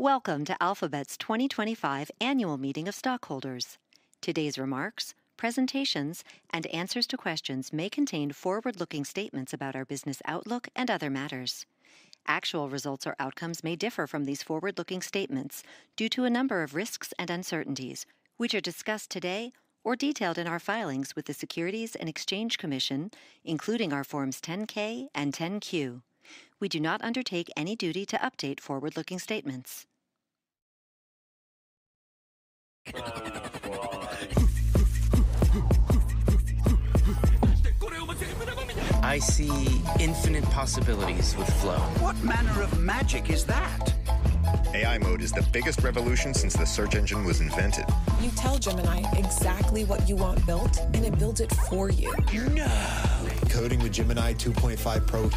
Welcome to Alphabet's 2025 Annual Meeting of Stockholders. Today's remarks, presentations, and answers to questions may contain forward-looking statements about our business outlook and other matters. Actual results or outcomes may differ from these forward-looking statements due to a number of risks and uncertainties, which are discussed today or detailed in our filings with the Securities and Exchange Commission, including our Forms 10-K and 10-Q. We do not undertake any duty to update forward-looking statements. I see infinite possibilities with Flow. What manner of magic is that? AI Mode is the biggest revolution since the search engine was invented. You tell Gemini exactly what you want built, and it builds it for you. No. Coding with Gemini 2.5 Pro,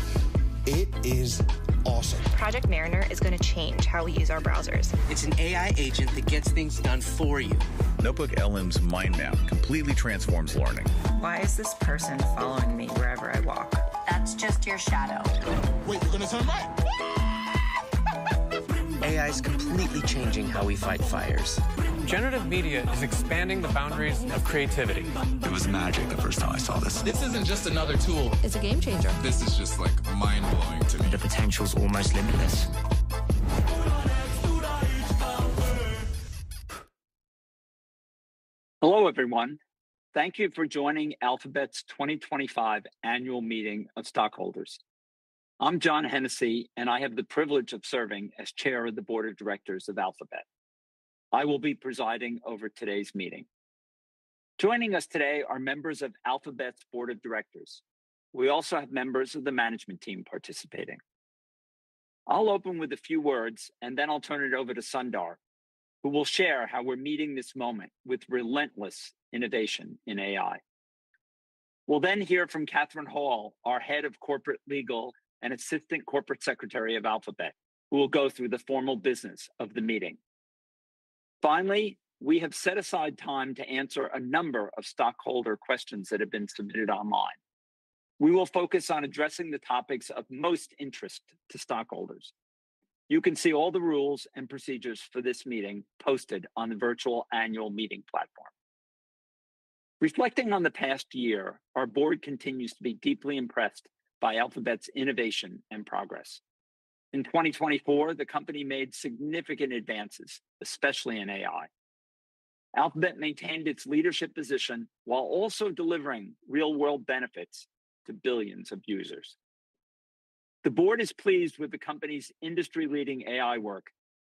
it is awesome. Project Mariner is going to change how we use our browsers. It's an AI agent that gets things done for you. NotebookLM's Mind Map completely transforms learning. Why is this person following me wherever I walk? That's just your shadow. Wait, we're going to turn right. AI is completely changing how we fight fires. Generative media is expanding the boundaries of creativity. It was magic the first time I saw this. This isn't just another tool. It's a game changer. This is just, like, mind-blowing to me. The potential's almost limitless. Hello everyone. Thank you for joining Alphabet's 2025 Annual Meeting of Stockholders. I'm John Hennessy, and I have the privilege of serving as Chair of the Board of Directors of Alphabet. I will be presiding over today's meeting. Joining us today are members of Alphabet's Board of Directors. We also have members of the management team participating. I'll open with a few words, and then I'll turn it over to Sundar, who will share how we're meeting this moment with relentless innovation in AI. We'll then hear from Kathryn Hall, our Head of Corporate Legal and Assistant Corporate Secretary of Alphabet, who will go through the formal business of the meeting. Finally, we have set aside time to answer a number of stockholder questions that have been submitted online. We will focus on addressing the topics of most interest to stockholders. You can see all the rules and procedures for this meeting posted on the virtual annual meeting platform. Reflecting on the past year, our board continues to be deeply impressed by Alphabet's innovation and progress. In 2024, the company made significant advances, especially in AI. Alphabet maintained its leadership position while also delivering real-world benefits to billions of users. The board is pleased with the company's industry-leading AI work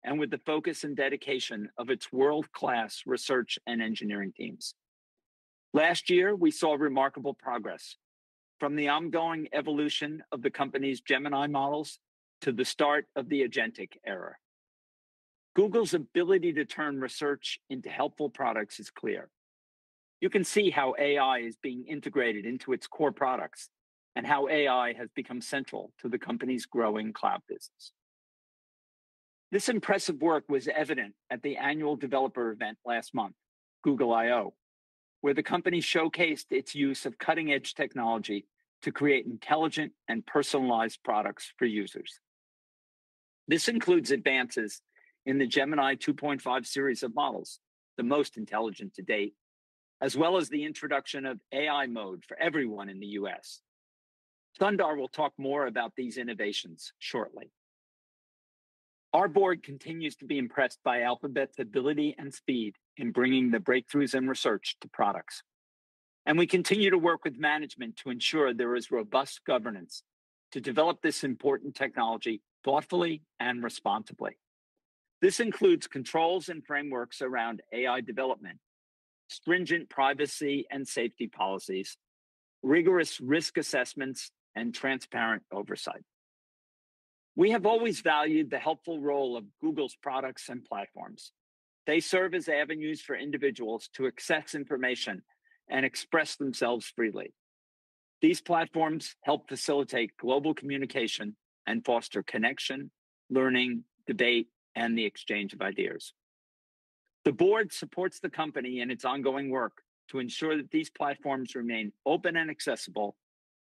and with the focus and dedication of its world-class research and engineering teams. Last year, we saw remarkable progress, from the ongoing evolution of the company's Gemini models to the start of the agentic era. Google's ability to turn research into helpful products is clear. You can see how AI is being integrated into its core products and how AI has become central to the company's growing cloud business. This impressive work was evident at the annual developer event last month, Google I/O, where the company showcased its use of cutting-edge technology to create intelligent and personalized products for users. This includes advances in the Gemini 2.5 series of models, the most intelligent to date, as well as the introduction of AI mode for everyone in the U.S. Sundar will talk more about these innovations shortly. Our board continues to be impressed by Alphabet's ability and speed in bringing the breakthroughs and research to products. We continue to work with management to ensure there is robust governance to develop this important technology thoughtfully and responsibly. This includes controls and frameworks around AI development, stringent privacy and safety policies, rigorous risk assessments, and transparent oversight. We have always valued the helpful role of Google's products and platforms. They serve as avenues for individuals to access information and express themselves freely. These platforms help facilitate global communication and foster connection, learning, debate, and the exchange of ideas. The board supports the company in its ongoing work to ensure that these platforms remain open and accessible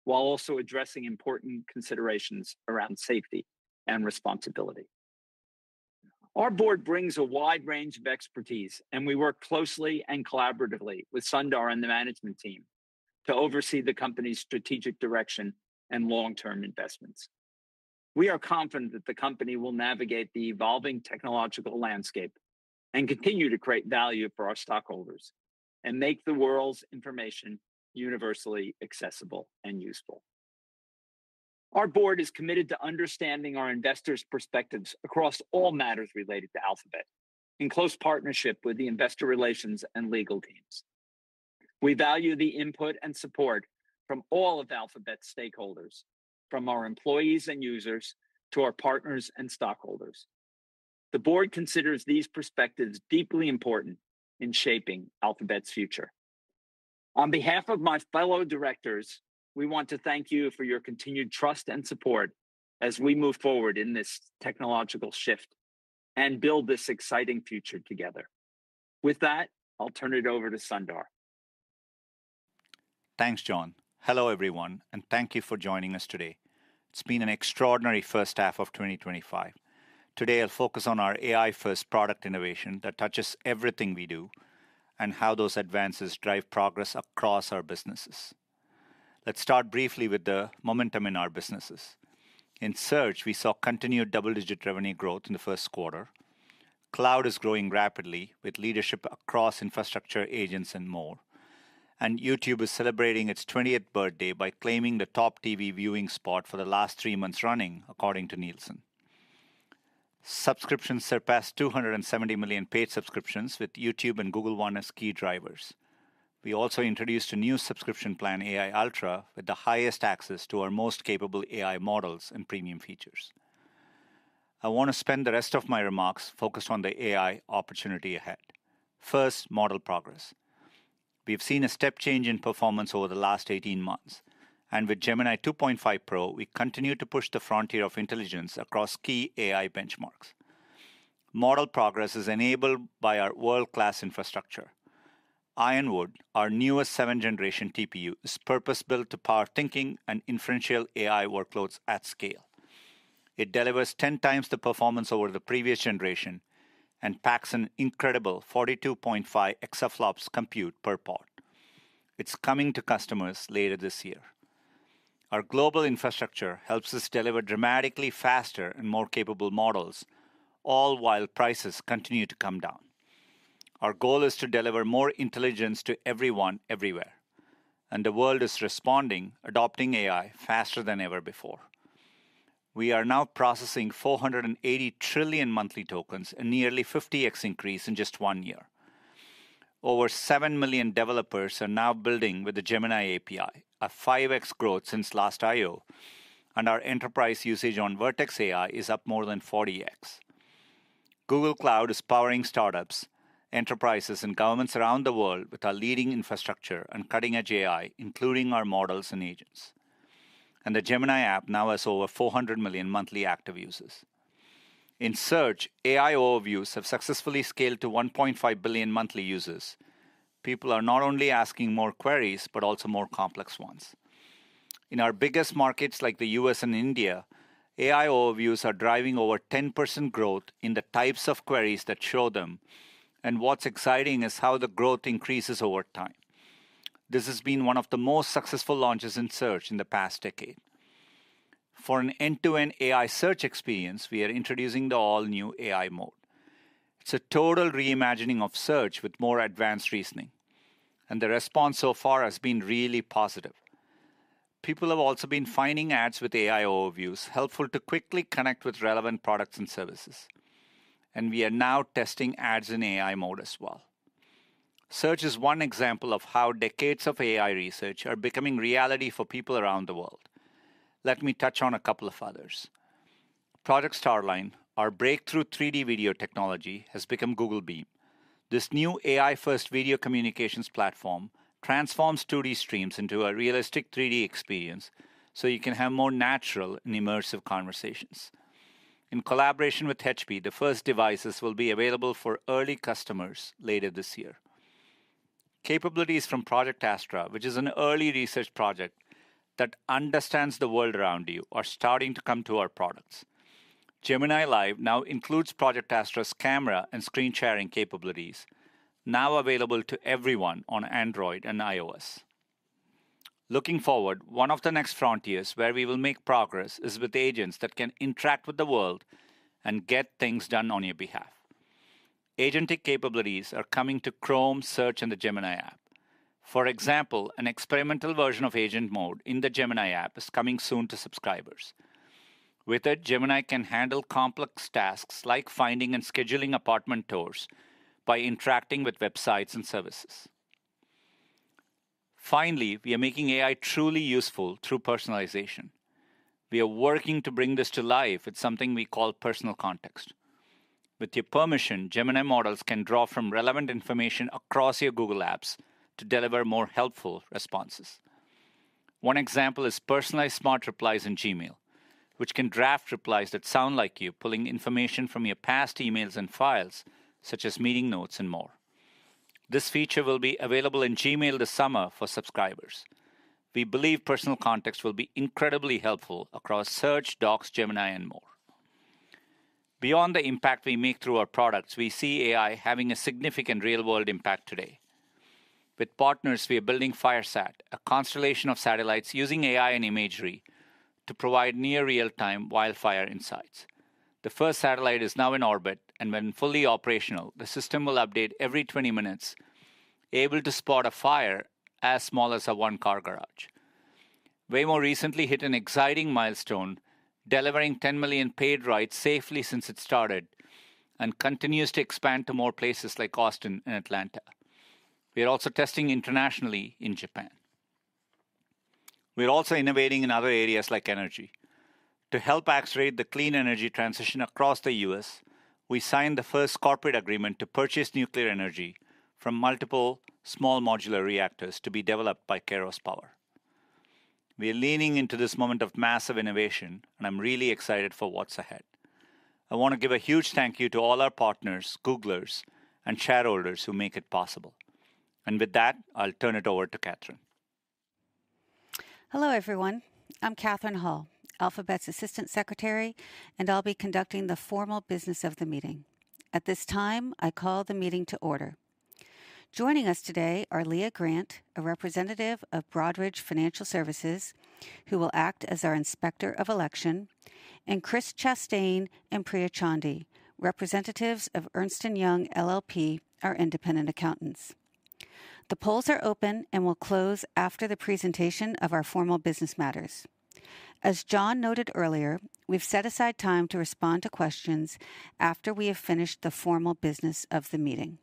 while also addressing important considerations around safety and responsibility. Our board brings a wide range of expertise, and we work closely and collaboratively with Sundar and the management team to oversee the company's strategic direction and long-term investments. We are confident that the company will navigate the evolving technological landscape and continue to create value for our stockholders and make the world's information universally accessible and useful. Our board is committed to understanding our investors' perspectives across all matters related to Alphabet, in close partnership with the investor relations and legal teams. We value the input and support from all of Alphabet's stakeholders, from our employees and users to our partners and stockholders. The board considers these perspectives deeply important in shaping Alphabet's future. On behalf of my fellow directors, we want to thank you for your continued trust and support as we move forward in this technological shift and build this exciting future together. With that, I'll turn it over to Sundar. Thanks, John. Hello, everyone, and thank you for joining us today. It's been an extraordinary first half of 2025. Today, I'll focus on our AI-first product innovation that touches everything we do and how those advances drive progress across our businesses. Let's start briefly with the momentum in our businesses. In Search, we saw continued double-digit revenue growth in the first quarter. Cloud is growing rapidly with leadership across infrastructure, agents, and more. YouTube is celebrating its 20th birthday by claiming the top TV viewing spot for the last three months running, according to Nielsen. Subscriptions surpass 270 million paid subscriptions, with YouTube and Google One as key drivers. We also introduced a new subscription plan, AI Ultra, with the highest access to our most capable AI models and premium features. I want to spend the rest of my remarks focused on the AI opportunity ahead. First, model progress. We have seen a step change in performance over the last 18 months. With Gemini 2.5 Pro, we continue to push the frontier of intelligence across key AI benchmarks. Model progress is enabled by our world-class infrastructure. Ironwood, our newest seventh-generation TPU, is purpose-built to power thinking and inferential AI workloads at scale. It delivers 10 times the performance over the previous generation and packs an incredible 42.5 exaflops compute per pod. It is coming to customers later this year. Our global infrastructure helps us deliver dramatically faster and more capable models, all while prices continue to come down. Our goal is to deliver more intelligence to everyone, everywhere. The world is responding, adopting AI faster than ever before. We are now processing 480 trillion monthly tokens, a nearly 50x increase in just one year. Over 7 million developers are now building with the Gemini API, a 5x growth since last I/O, and our enterprise usage on Vertex AI is up more than 40x. Google Cloud is powering startups, enterprises, and governments around the world with our leading infrastructure and cutting-edge AI, including our models and agents. The Gemini app now has over 400 million monthly active users. In search, AI overviews have successfully scaled to 1.5 billion monthly users. People are not only asking more queries, but also more complex ones. In our biggest markets, like the U.S. and India, AI overviews are driving over 10% growth in the types of queries that show them. What is exciting is how the growth increases over time. This has been one of the most successful launches in search in the past decade. For an end-to-end AI search experience, we are introducing the all-new AI mode. It's a total reimagining of search with more advanced reasoning. The response so far has been really positive. People have also been finding ads with AI overviews helpful to quickly connect with relevant products and services. We are now testing ads in AI mode as well. Search is one example of how decades of AI research are becoming reality for people around the world. Let me touch on a couple of others. Project Starline, our breakthrough 3D video technology, has become Google Beam. This new AI-first video communications platform transforms 2D streams into a realistic 3D experience so you can have more natural and immersive conversations. In collaboration with Hewlett Packard Enterprise, the first devices will be available for early customers later this year. Capabilities from Project Astra, which is an early research project that understands the world around you, are starting to come to our products. Gemini Live now includes Project Astra's camera and screen sharing capabilities, now available to everyone on Android and iOS. Looking forward, one of the next frontiers where we will make progress is with agents that can interact with the world and get things done on your behalf. Agentic capabilities are coming to Chrome, Search, and the Gemini app. For example, an experimental version of Agent Mode in the Gemini app is coming soon to subscribers. With it, Gemini can handle complex tasks like finding and scheduling apartment tours by interacting with websites and services. Finally, we are making AI truly useful through personalization. We are working to bring this to life with something we call personal context. With your permission, Gemini models can draw from relevant information across your Google apps to deliver more helpful responses. One example is personalized smart replies in Gmail, which can draft replies that sound like you, pulling information from your past emails and files, such as meeting notes and more. This feature will be available in Gmail this summer for subscribers. We believe personal context will be incredibly helpful across Search, Docs, Gemini, and more. Beyond the impact we make through our products, we see AI having a significant real-world impact today. With partners, we are building Firesat, a constellation of satellites using AI and imagery to provide near-real-time wildfire insights. The first satellite is now in orbit. When fully operational, the system will update every 20 minutes, able to spot a fire as small as a one-car garage. Waymo recently hit an exciting milestone, delivering 10 million paid rides safely since it started and continues to expand to more places like Austin and Atlanta. We are also testing internationally in Japan. We are also innovating in other areas like energy. To help accelerate the clean energy transition across the U.S., we signed the first corporate agreement to purchase nuclear energy from multiple small modular reactors to be developed by Kairos Power. We are leaning into this moment of massive innovation, and I'm really excited for what's ahead. I want to give a huge thank you to all our partners, Googlers, and shareholders who make it possible. With that, I'll turn it over to Kathryn. Hello, everyone. I'm Kathryn Hall, Alphabet's Assistant Secretary, and I'll be conducting the formal business of the meeting. At this time, I call the meeting to order. Joining us today are Leah Grant, a representative of Broadridge Financial Solutions, who will act as our inspector of election, and Chris Chastain and Priya Chandi, representatives of Ernst & Young LLP, our independent accountants. The polls are open and will close after the presentation of our formal business matters. As John noted earlier, we've set aside time to respond to questions after we have finished the formal business of the meeting.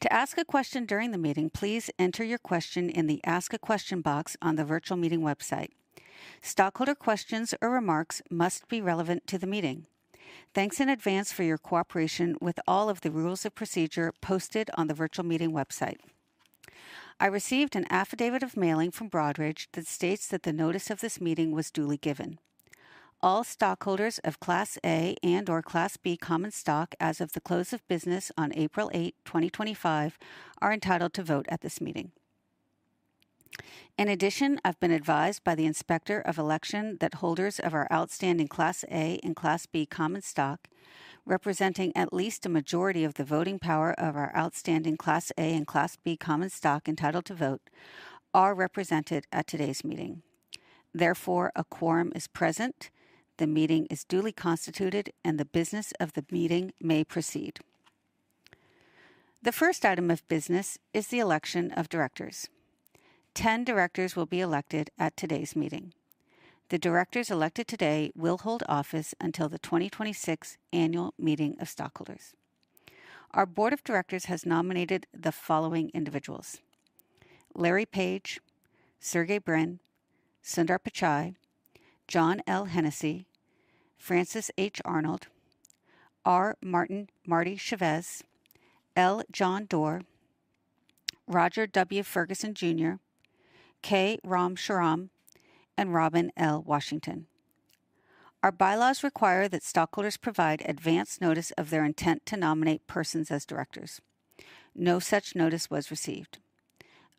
To ask a question during the meeting, please enter your question in the Ask a Question box on the virtual meeting website. Stockholder questions or remarks must be relevant to the meeting. Thanks in advance for your cooperation with all of the rules of procedure posted on the virtual meeting website. I received an affidavit of mailing from Broadridge that states that the notice of this meeting was duly given. All stockholders of Class A and/or Class B common stock as of the close of business on April 8, 2025, are entitled to vote at this meeting. In addition, I've been advised by the inspector of election that holders of our outstanding Class A and Class B common stock, representing at least a majority of the voting power of our outstanding Class A and Class B common stock entitled to vote, are represented at today's meeting. Therefore, a quorum is present, the meeting is duly constituted, and the business of the meeting may proceed. The first item of business is the election of directors. Ten directors will be elected at today's meeting. The directors elected today will hold office until the 2026 annual meeting of stockholders. Our board of directors has nominated the following individuals: Larry Page, Sergey Brin, Sundar Pichai, John L. Hennessy, Francis H. Arnold, R. Martin "Marty" Chavez, L. John Doerr, Roger W. Ferguson Jr., K. Ram Shriram, and Robin L. Washington. Our bylaws require that stockholders provide advance notice of their intent to nominate persons as directors. No such notice was received.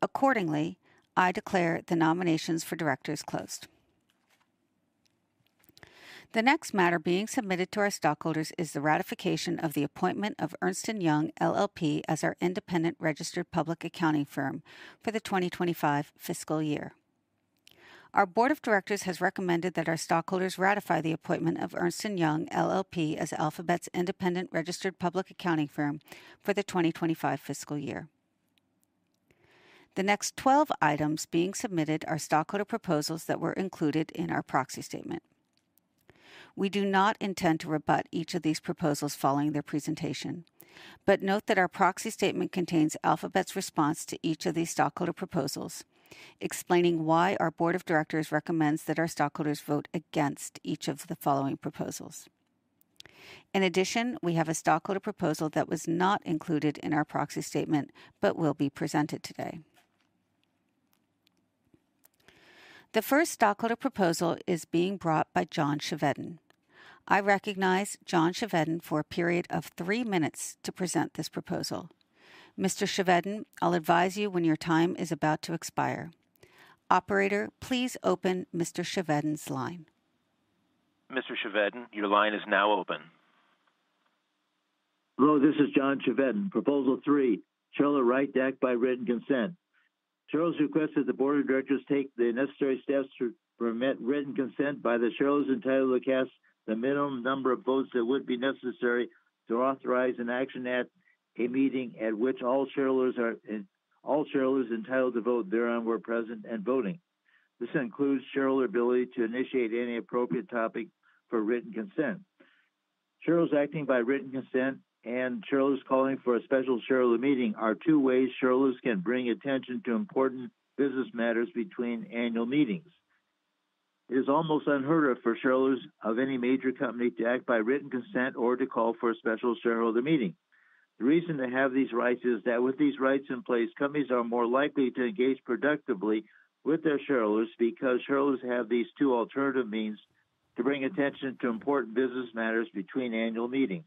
Accordingly, I declare the nominations for directors closed. The next matter being submitted to our stockholders is the ratification of the appointment of Ernst & Young LLP as our independent registered public accounting firm for the 2025 fiscal year. Our board of directors has recommended that our stockholders ratify the appointment of Ernst & Young LLP as Alphabet's independent registered public accounting firm for the 2025 fiscal year. The next 12 items being submitted are stockholder proposals that were included in our proxy statement. We do not intend to rebut each of these proposals following their presentation, but note that our proxy statement contains Alphabet's response to each of these stockholder proposals, explaining why our Board of Directors recommends that our stockholders vote against each of the following proposals. In addition, we have a stockholder proposal that was not included in our proxy statement but will be presented today. The first stockholder proposal is being brought by John Shiveden. I recognize John Shiveden for a period of three minutes to present this proposal. Mr. Shiveden, I'll advise you when your time is about to expire. Operator, please open Mr. Shiveden's line. Mr. Shiveden, your line is now open. Hello, this is John Shiveden. Proposal three, shareholder right deck by written consent. Shareholders request that the board of directors take the necessary steps to permit written consent by the shareholders entitled to cast the minimum number of votes that would be necessary to authorize an action at a meeting at which all shareholders or all shareholders entitled to vote thereon were present and voting. This includes shareholder ability to initiate any appropriate topic for written consent. Shareholders acting by written consent and shareholders calling for a special shareholder meeting are two ways shareholders can bring attention to important business matters between annual meetings. It is almost unheard of for shareholders of any major company to act by written consent or to call for a special shareholder meeting. The reason to have these rights is that with these rights in place, companies are more likely to engage productively with their shareholders because shareholders have these two alternative means to bring attention to important business matters between annual meetings.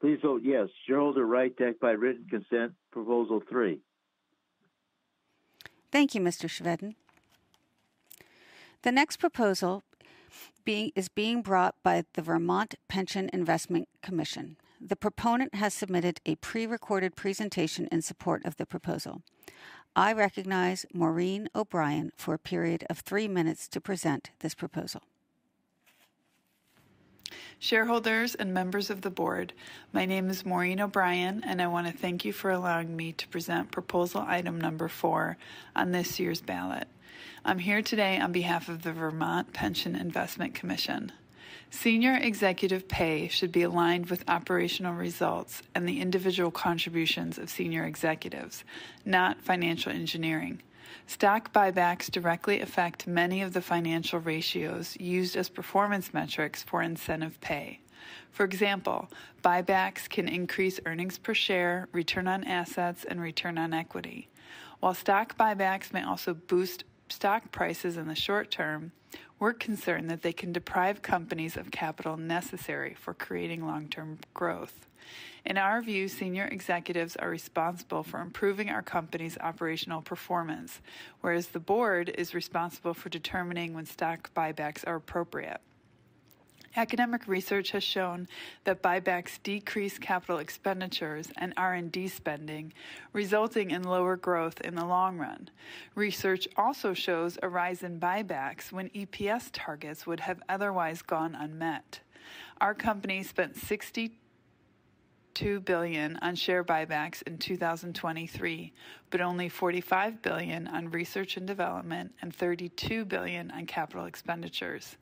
Please vote yes, shareholder right to act by written consent proposal three. Thank you, Mr. Shiveden. The next proposal is being brought by the Vermont Pension Investment Commission. The proponent has submitted a prerecorded presentation in support of the proposal. I recognize Maureen O'Brien for a period of three minutes to present this proposal. Shareholders and members of the board, my name is Maureen O'Brien, and I want to thank you for allowing me to present proposal item number four on this year's ballot. I'm here today on behalf of the Vermont Pension Investment Commission. Senior executive pay should be aligned with operational results and the individual contributions of senior executives, not financial engineering. Stock buybacks directly affect many of the financial ratios used as performance metrics for incentive pay. For example, buybacks can increase earnings per share, return on assets, and return on equity. While stock buybacks may also boost stock prices in the short term, we're concerned that they can deprive companies of capital necessary for creating long-term growth. In our view, senior executives are responsible for improving our company's operational performance, whereas the board is responsible for determining when stock buybacks are appropriate. Academic research has shown that buybacks decrease capital expenditures and R&D spending, resulting in lower growth in the long run. Research also shows a rise in buybacks when EPS targets would have otherwise gone unmet. Our company spent $62 billion on share buybacks in 2023, but only $45 billion on research and development and $32 billion on capital expenditures.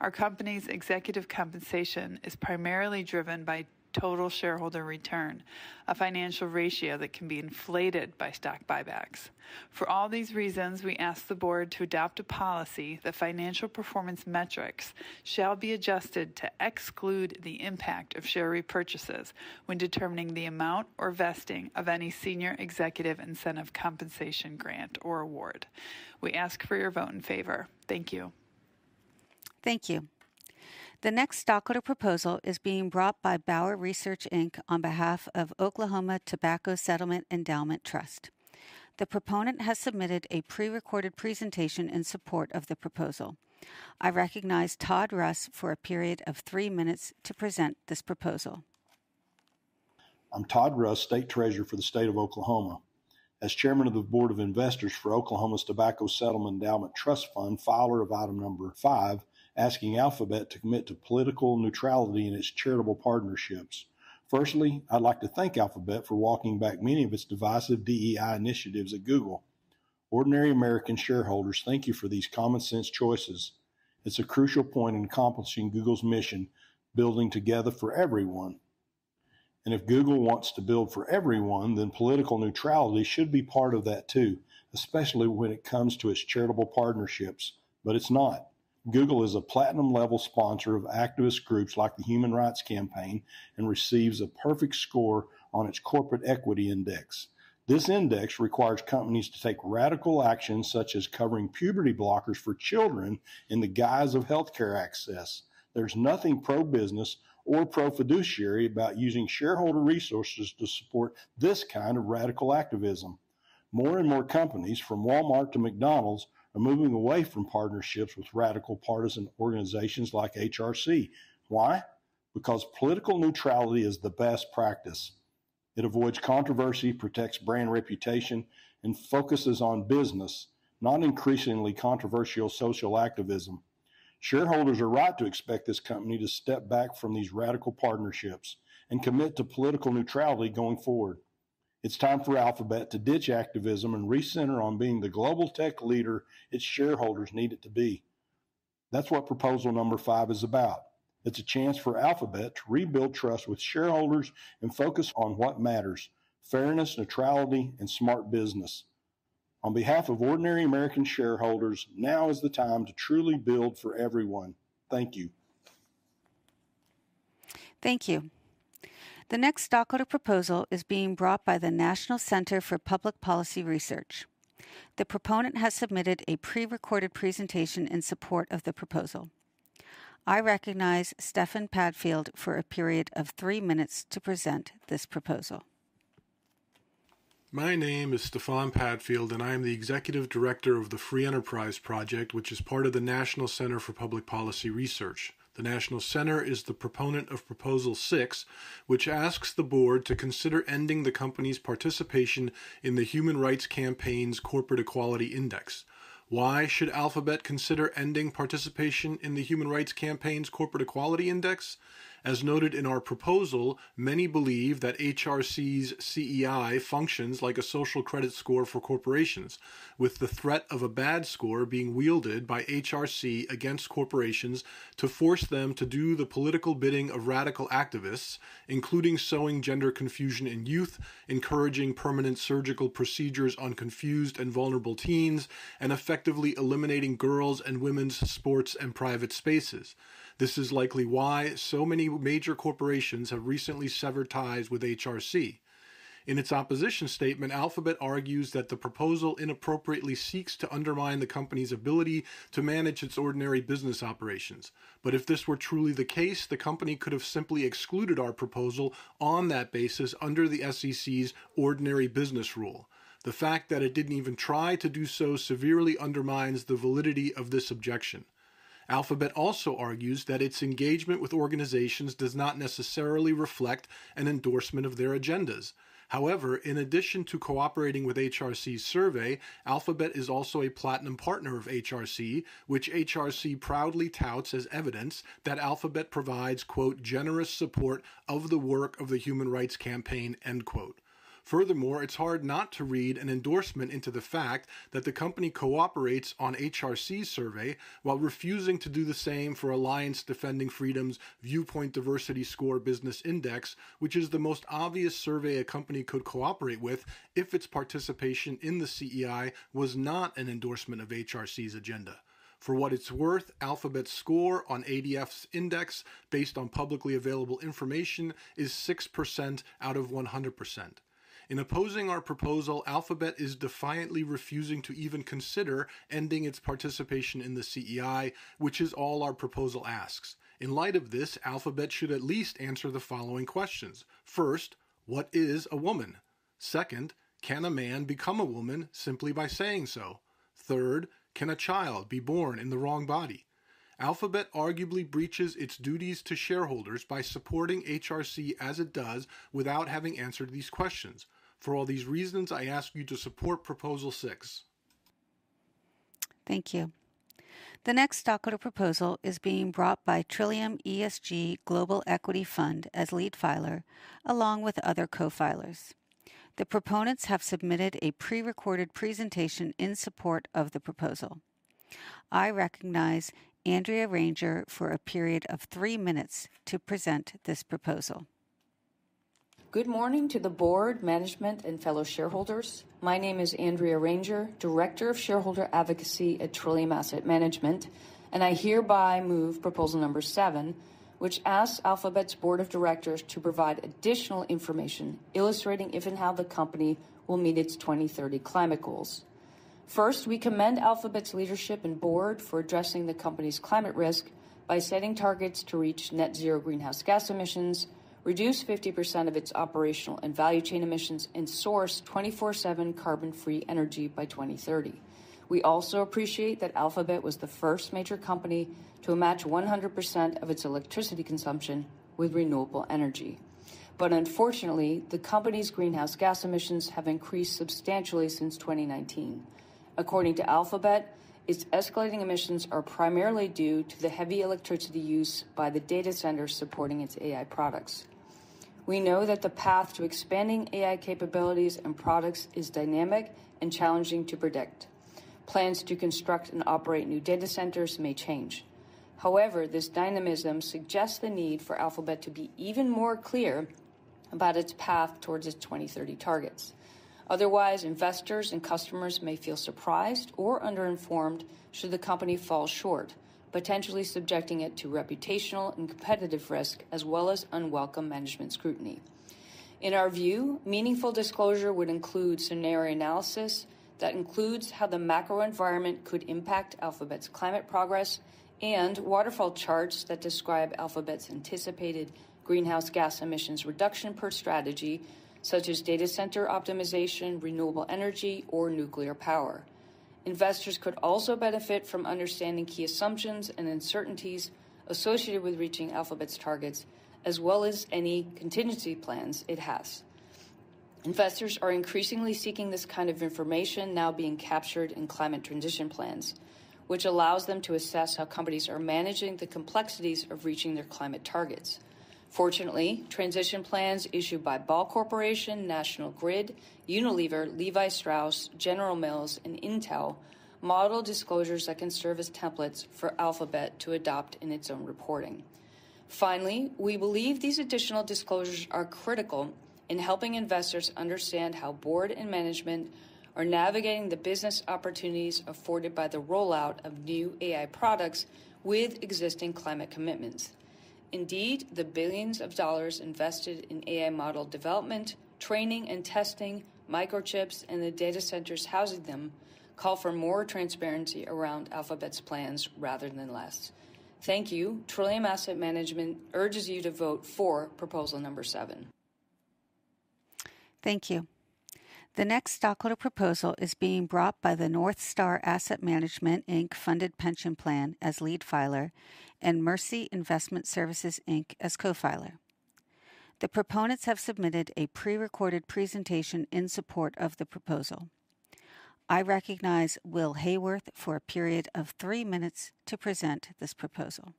Our company's executive compensation is primarily driven by total shareholder return, a financial ratio that can be inflated by stock buybacks. For all these reasons, we ask the board to adopt a policy that financial performance metrics shall be adjusted to exclude the impact of share repurchases when determining the amount or vesting of any senior executive incentive compensation grant or award. We ask for your vote in favor. Thank you. Thank you. The next stockholder proposal is being brought by Broadridge Financial Solutions on behalf of Oklahoma Tobacco Settlement Endowment Trust. The proponent has submitted a prerecorded presentation in support of the proposal. I recognize Todd Russ for a period of three minutes to present this proposal. I'm Todd Russ, State Treasurer for the State of Oklahoma. As Chairman of the Board of Investors for Oklahoma's Tobacco Settlement Endowment Trust Fund, filer of item number five, asking Alphabet to commit to political neutrality in its charitable partnerships. Firstly, I'd like to thank Alphabet for walking back many of its divisive DEI initiatives at Google. Ordinary American shareholders, thank you for these common-sense choices. It's a crucial point in accomplishing Google's mission, building together for everyone. If Google wants to build for everyone, then political neutrality should be part of that too, especially when it comes to its charitable partnerships. It's not. Google is a platinum-level sponsor of activist groups like the Human Rights Campaign and receives a perfect score on its Corporate Equality Index. This index requires companies to take radical actions, such as covering puberty blockers for children in the guise of healthcare access. There's nothing pro-business or pro-fiduciary about using shareholder resources to support this kind of radical activism. More and more companies, from Walmart to McDonald's, are moving away from partnerships with radical partisan organizations like HRC. Why? Because political neutrality is the best practice. It avoids controversy, protects brand reputation, and focuses on business, not increasingly controversial social activism. Shareholders are right to expect this company to step back from these radical partnerships and commit to political neutrality going forward. It's time for Alphabet to ditch activism and recenter on being the global tech leader its shareholders need it to be. That's what proposal number five is about. It's a chance for Alphabet to rebuild trust with shareholders and focus on what matters: fairness, neutrality, and smart business. On behalf of ordinary American shareholders, now is the time to truly build for everyone. Thank you. Thank you. The next stockholder proposal is being brought by the National Center for Public Policy Research. The proponent has submitted a prerecorded presentation in support of the proposal. I recognize Stefan Padfield for a period of three minutes to present this proposal. My name is Stefan Padfield, and I am the Executive Director of the Free Enterprise Project, which is part of the National Center for Public Policy Research. The National Center is the proponent of proposal six, which asks the board to consider ending the company's participation in the Human Rights Campaign's Corporate Equality Index. Why should Alphabet consider ending participation in the Human Rights Campaign's Corporate Equality Index? As noted in our proposal, many believe that HRC's CEI functions like a social credit score for corporations, with the threat of a bad score being wielded by HRC against corporations to force them to do the political bidding of radical activists, including sowing gender confusion in youth, encouraging permanent surgical procedures on confused and vulnerable teens, and effectively eliminating girls' and women's sports and private spaces. This is likely why so many major corporations have recently severed ties with HRC. In its opposition statement, Alphabet argues that the proposal inappropriately seeks to undermine the company's ability to manage its ordinary business operations. If this were truly the case, the company could have simply excluded our proposal on that basis under the SEC's ordinary business rule. The fact that it did not even try to do so severely undermines the validity of this objection. Alphabet also argues that its engagement with organizations does not necessarily reflect an endorsement of their agendas. However, in addition to cooperating with HRC's survey, Alphabet is also a platinum partner of HRC, which HRC proudly touts as evidence that Alphabet provides, quote, "generous support of the work of the Human Rights Campaign," end quote. Furthermore, it's hard not to read an endorsement into the fact that the company cooperates on HRC's survey while refusing to do the same for Alliance Defending Freedom's Viewpoint Diversity Score Business Index, which is the most obvious survey a company could cooperate with if its participation in the CEI was not an endorsement of HRC's agenda. For what it's worth, Alphabet's score on ADF's index, based on publicly available information, is 6% out of 100%. In opposing our proposal, Alphabet is defiantly refusing to even consider ending its participation in the CEI, which is all our proposal asks. In light of this, Alphabet should at least answer the following questions. First, what is a woman? Second, can a man become a woman simply by saying so? Third, can a child be born in the wrong body? Alphabet arguably breaches its duties to shareholders by supporting HRC as it does without having answered these questions. For all these reasons, I ask you to support proposal six. Thank you. The next stockholder proposal is being brought by Trillium ESG Global Equity Fund as lead filer, along with other co-filers. The proponents have submitted a prerecorded presentation in support of the proposal. I recognize Andrea Ranger for a period of three minutes to present this proposal. Good morning to the board, management, and fellow shareholders. My name is Andrea Ranger, Director of Shareholder Advocacy at Trillium Asset Management, and I hereby move proposal number seven, which asks Alphabet's board of directors to provide additional information illustrating if and how the company will meet its 2030 climate goals. First, we commend Alphabet's leadership and board for addressing the company's climate risk by setting targets to reach net zero greenhouse gas emissions, reduce 50% of its operational and value chain emissions, and source 24/7 carbon-free energy by 2030. We also appreciate that Alphabet was the first major company to match 100% of its electricity consumption with renewable energy. Unfortunately, the company's greenhouse gas emissions have increased substantially since 2019. According to Alphabet, its escalating emissions are primarily due to the heavy electricity use by the data centers supporting its AI products. We know that the path to expanding AI capabilities and products is dynamic and challenging to predict. Plans to construct and operate new data centers may change. However, this dynamism suggests the need for Alphabet to be even more clear about its path towards its 2030 targets. Otherwise, investors and customers may feel surprised or underinformed should the company fall short, potentially subjecting it to reputational and competitive risk as well as unwelcome management scrutiny. In our view, meaningful disclosure would include scenario analysis that includes how the macro environment could impact Alphabet's climate progress and waterfall charts that describe Alphabet's anticipated greenhouse gas emissions reduction per strategy, such as data center optimization, renewable energy, or nuclear power. Investors could also benefit from understanding key assumptions and uncertainties associated with reaching Alphabet's targets, as well as any contingency plans it has. Investors are increasingly seeking this kind of information now being captured in climate transition plans, which allows them to assess how companies are managing the complexities of reaching their climate targets. Fortunately, transition plans issued by Ball Corporation, National Grid, Unilever, Levi Strauss, General Mills, and Intel model disclosures that can serve as templates for Alphabet to adopt in its own reporting. Finally, we believe these additional disclosures are critical in helping investors understand how board and management are navigating the business opportunities afforded by the rollout of new AI products with existing climate commitments. Indeed, the billions of dollars invested in AI model development, training and testing, microchips, and the data centers housing them call for more transparency around Alphabet's plans rather than less. Thank you. Trillium Asset Management urges you to vote for proposal number seven. Thank you. The next stockholder proposal is being brought by the Northstar Asset Management funded pension plan as lead filer and Mercy Investment Services as co-filer. The proponents have submitted a prerecorded presentation in support of the proposal. I recognize Will Hayworth for a period of three minutes to present this proposal.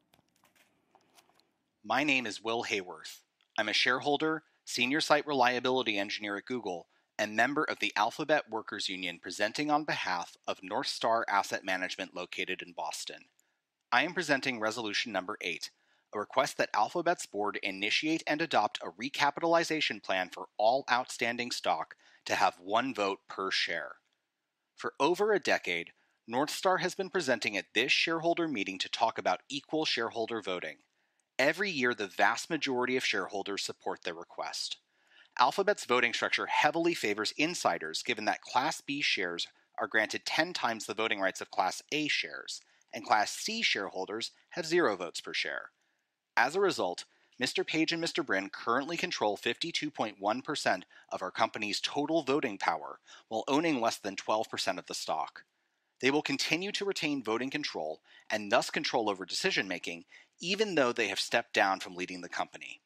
My name is Will Hayworth. I'm a shareholder, senior site reliability engineer at Google, and member of the Alphabet Workers Union presenting on behalf of Northstar Asset Management located in Boston. I am presenting resolution number eight, a request that Alphabet's board initiate and adopt a recapitalization plan for all outstanding stock to have one vote per share. For over a decade, Northstar has been presenting at this shareholder meeting to talk about equal shareholder voting. Every year, the vast majority of shareholders support their request. Alphabet's voting structure heavily favors insiders, given that Class B shares are granted 10 times the voting rights of Class A shares, and Class C shareholders have zero votes per share. As a result, Mr. Page and Mr. Brin currently control 52.1% of our company's total voting power while owning less than 12% of the stock. They will continue to retain voting control and thus control over decision-making, even though they have stepped down from leading the company.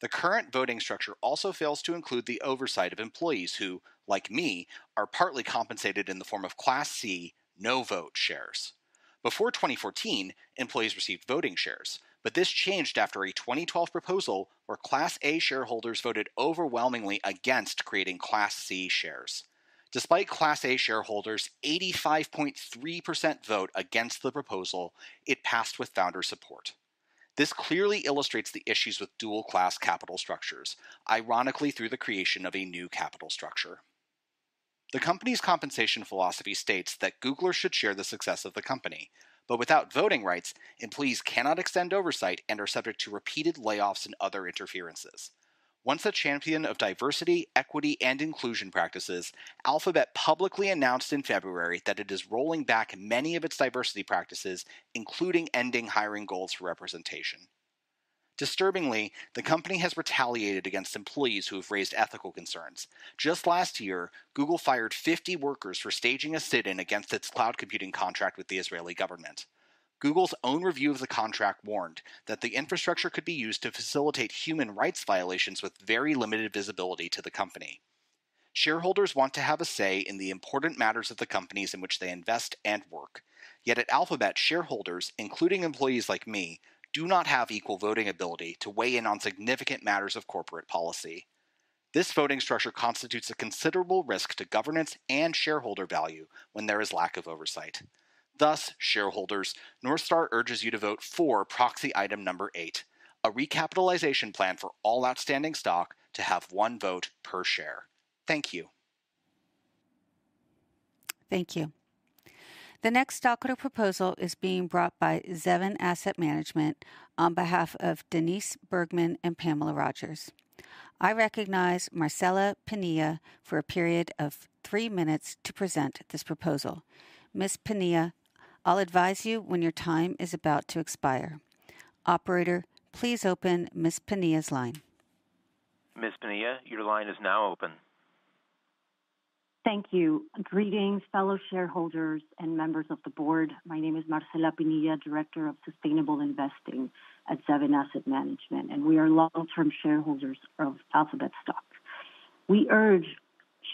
The current voting structure also fails to include the oversight of employees who, like me, are partly compensated in the form of Class C, no vote shares. Before 2014, employees received voting shares, but this changed after a 2012 proposal where Class A shareholders voted overwhelmingly against creating Class C shares. Despite Class A shareholders' 85.3% vote against the proposal, it passed with founder support. This clearly illustrates the issues with dual-class capital structures, ironically through the creation of a new capital structure. The company's compensation philosophy states that Googlers should share the success of the company, but without voting rights, employees cannot extend oversight and are subject to repeated layoffs and other interferences. Once a champion of diversity, equity, and inclusion practices, Alphabet publicly announced in February that it is rolling back many of its diversity practices, including ending hiring goals for representation. Disturbingly, the company has retaliated against employees who have raised ethical concerns. Just last year, Google fired 50 workers for staging a sit-in against its cloud computing contract with the Israeli government. Google's own review of the contract warned that the infrastructure could be used to facilitate human rights violations with very limited visibility to the company. Shareholders want to have a say in the important matters of the companies in which they invest and work. Yet at Alphabet, shareholders, including employees like me, do not have equal voting ability to weigh in on significant matters of corporate policy. This voting structure constitutes a considerable risk to governance and shareholder value when there is lack of oversight. Thus, shareholders, Northstar urges you to vote for proxy item number eight, a recapitalization plan for all outstanding stock to have one vote per share. Thank you. Thank you. The next stockholder proposal is being brought by Zevin Asset Management on behalf of Denise Bergman and Pamela Rogers. I recognize Marcella Pinilla for a period of three minutes to present this proposal. Ms. Pena, I'll advise you when your time is about to expire. Operator, please open Ms. Pena's line. Ms. Pena, your line is now open. Thank you. Greetings, fellow shareholders and members of the board. My name is Marcella Pena, Director of Sustainable Investing at Zevin Asset Management, and we are long-term shareholders of Alphabet stock. We urge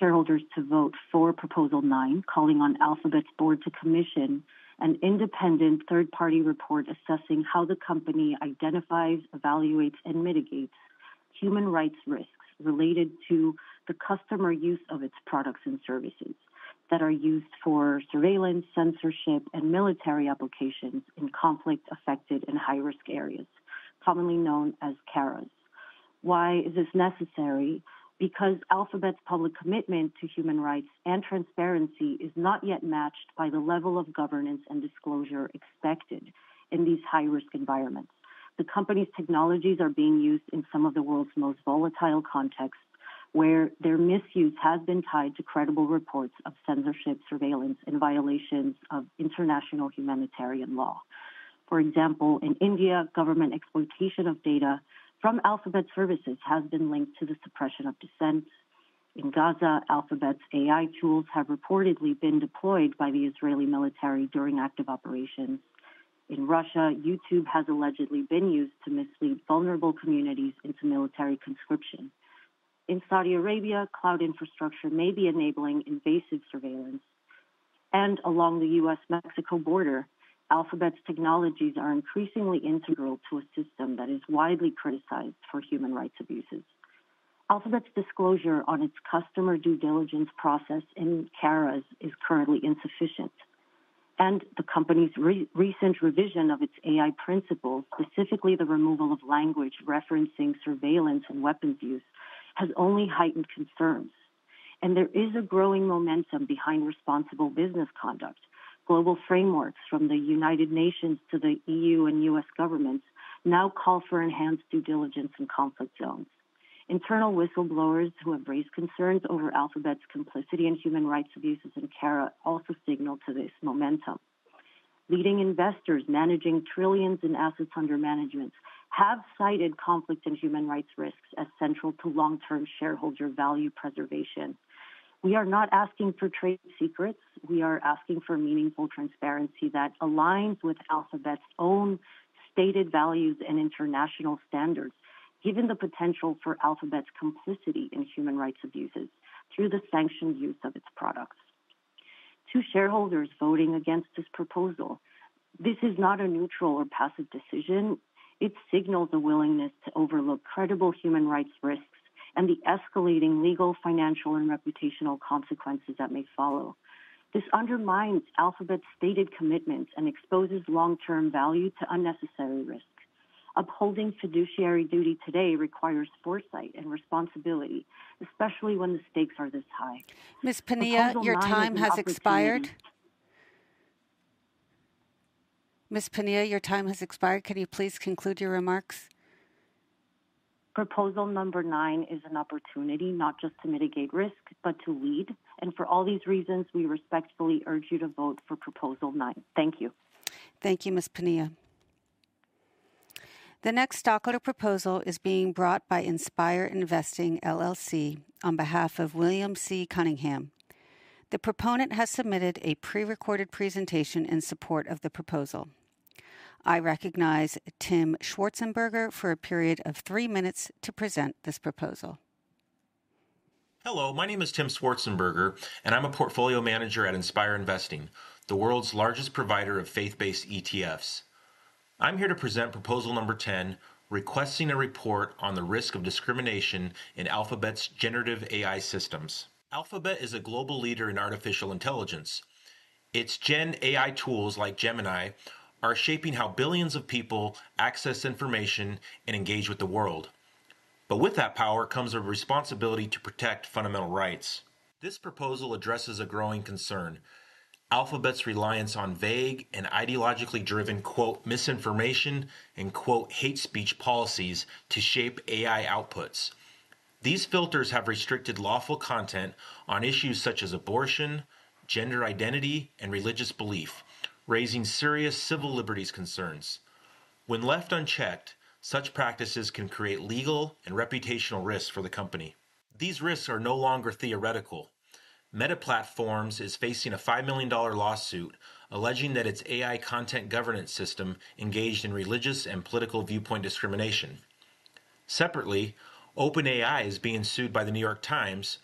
shareholders to vote for proposal nine, calling on Alphabet's board to commission an independent third-party report assessing how the company identifies, evaluates, and mitigates human rights risks related to the customer use of its products and services that are used for surveillance, censorship, and military applications in conflict-affected and high-risk areas, commonly known as CARAs. Why is this necessary? Because Alphabet's public commitment to human rights and transparency is not yet matched by the level of governance and disclosure expected in these high-risk environments. The company's technologies are being used in some of the world's most volatile contexts, where their misuse has been tied to credible reports of censorship, surveillance, and violations of international humanitarian law. For example, in India, government exploitation of data from Alphabet services has been linked to the suppression of dissent. In Gaza, Alphabet's AI tools have reportedly been deployed by the Israeli military during active operations. In Russia, YouTube has allegedly been used to mislead vulnerable communities into military conscription. In Saudi Arabia, cloud infrastructure may be enabling invasive surveillance. Along the U.S.-Mexico border, Alphabet's technologies are increasingly integral to a system that is widely criticized for human rights abuses. Alphabet's disclosure on its customer due diligence process in CARAs is currently insufficient. The company's recent revision of its AI principles, specifically the removal of language referencing surveillance and weapons use, has only heightened concerns. There is a growing momentum behind responsible business conduct. Global frameworks from the United Nations to the EU and US governments now call for enhanced due diligence in conflict zones. Internal whistleblowers who have raised concerns over Alphabet's complicity in human rights abuses in CARAs also signal to this momentum. Leading investors managing trillions in assets under management have cited conflict and human rights risks as central to long-term shareholder value preservation. We are not asking for trade secrets. We are asking for meaningful transparency that aligns with Alphabet's own stated values and international standards, given the potential for Alphabet's complicity in human rights abuses through the sanctioned use of its products. To shareholders voting against this proposal, this is not a neutral or passive decision. It signals a willingness to overlook credible human rights risks and the escalating legal, financial, and reputational consequences that may follow. This undermines Alphabet's stated commitments and exposes long-term value to unnecessary risks. Upholding fiduciary duty today requires foresight and responsibility, especially when the stakes are this high. Ms. Pinilla, your time has expired. Can you please conclude your remarks? Proposal number nine is an opportunity not just to mitigate risk, but to lead. For all these reasons, we respectfully urge you to vote for proposal nine. Thank you. Thank you, Ms. Pinilla. The next stockholder proposal is being brought by Inspire Investing on behalf of William C. Cunningham. The proponent has submitted a prerecorded presentation in support of the proposal. I recognize Tim Schwarzenberger for a period of three minutes to present this proposal. Hello, my name is Tim Schwarzenberger, and I'm a portfolio manager at Inspire Investing, the world's largest provider of faith-based ETFs. I'm here to present proposal number 10, requesting a report on the risk of discrimination in Alphabet's generative AI systems. Alphabet is a global leader in artificial intelligence. Its gen AI tools, like Gemini, are shaping how billions of people access information and engage with the world. With that power comes a responsibility to protect fundamental rights. This proposal addresses a growing concern: Alphabet's reliance on vague and ideologically driven "misinformation" and "hate speech" policies to shape AI outputs. These filters have restricted lawful content on issues such as abortion, gender identity, and religious belief, raising serious civil liberties concerns. When left unchecked, such practices can create legal and reputational risks for the company. These risks are no longer theoretical. Meta Platforms is facing a $5 million lawsuit alleging that its AI content governance system engaged in religious and political viewpoint discrimination. Separately, OpenAI is being sued by The New York Times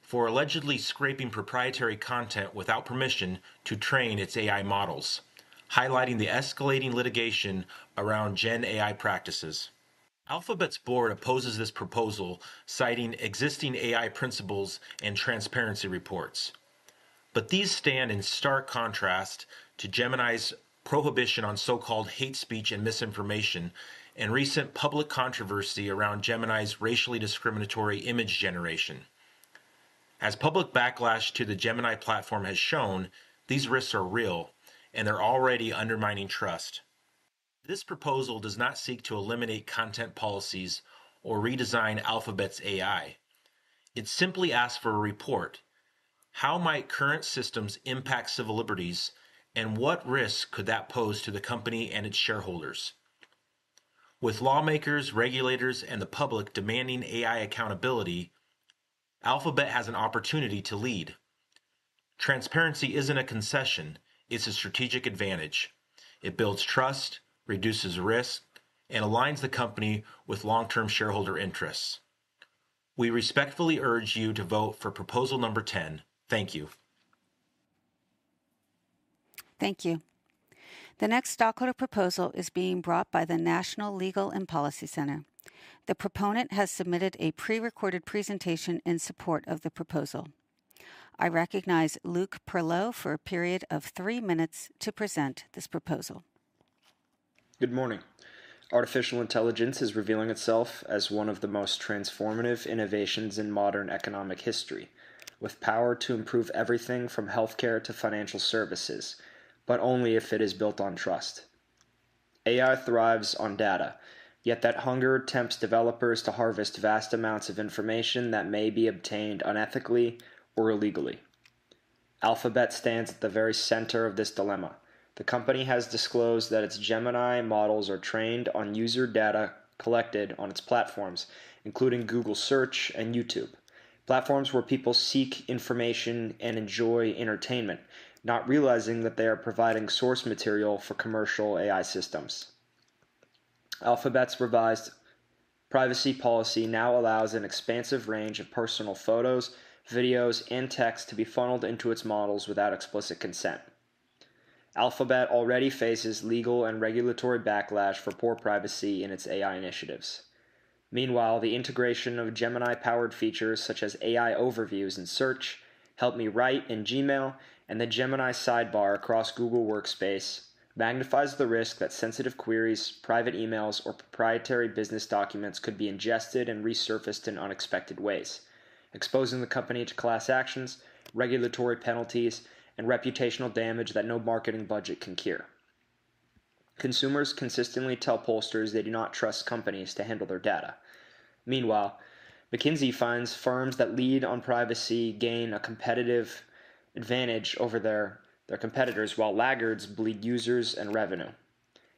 for allegedly scraping proprietary content without permission to train its AI models, highlighting the escalating litigation around gen AI practices. Alphabet's board opposes this proposal, citing existing AI principles and transparency reports. These stand in stark contrast to Gemini's prohibition on so-called hate speech and misinformation and recent public controversy around Gemini's racially discriminatory image generation. As public backlash to the Gemini platform has shown, these risks are real, and they're already undermining trust. This proposal does not seek to eliminate content policies or redesign Alphabet's AI. It simply asks for a report: how might current systems impact civil liberties, and what risk could that pose to the company and its shareholders? With lawmakers, regulators, and the public demanding AI accountability, Alphabet has an opportunity to lead. Transparency isn't a concession. It's a strategic advantage. It builds trust, reduces risk, and aligns the company with long-term shareholder interests. We respectfully urge you to vote for proposal number 10. Thank you. Thank you. The next stockholder proposal is being brought by the National Legal and Policy Center. The proponent has submitted a prerecorded presentation in support of the proposal. I recognize Luke Perlot for a period of three minutes to present this proposal. Good morning. Artificial intelligence is revealing itself as one of the most transformative innovations in modern economic history, with power to improve everything from healthcare to financial services, but only if it is built on trust. AI thrives on data, yet that hunger tempts developers to harvest vast amounts of information that may be obtained unethically or illegally. Alphabet stands at the very center of this dilemma. The company has disclosed that its Gemini models are trained on user data collected on its platforms, including Google Search and YouTube, platforms where people seek information and enjoy entertainment, not realizing that they are providing source material for commercial AI systems. Alphabet's revised privacy policy now allows an expansive range of personal photos, videos, and texts to be funneled into its models without explicit consent. Alphabet already faces legal and regulatory backlash for poor privacy in its AI initiatives. Meanwhile, the integration of Gemini-powered features such as AI overviews in Search, Help Me Write in Gmail, and the Gemini sidebar across Google Workspace magnifies the risk that sensitive queries, private emails, or proprietary business documents could be ingested and resurfaced in unexpected ways, exposing the company to class actions, regulatory penalties, and reputational damage that no marketing budget can cure. Consumers consistently tell pollsters they do not trust companies to handle their data. Meanwhile, McKinsey finds firms that lead on privacy gain a competitive advantage over their competitors, while laggards bleed users and revenue.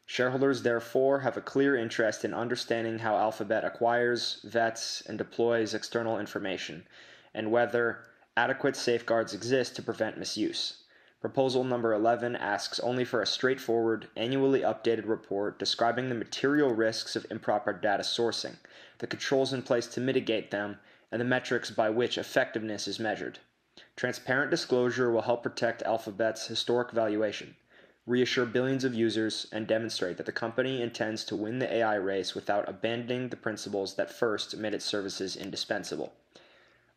Shareholders, therefore, have a clear interest in understanding how Alphabet acquires, vets, and deploys external information, and whether adequate safeguards exist to prevent misuse. Proposal number 11 asks only for a straightforward, annually updated report describing the material risks of improper data sourcing, the controls in place to mitigate them, and the metrics by which effectiveness is measured. Transparent disclosure will help protect Alphabet's historic valuation, reassure billions of users, and demonstrate that the company intends to win the AI race without abandoning the principles that first made its services indispensable.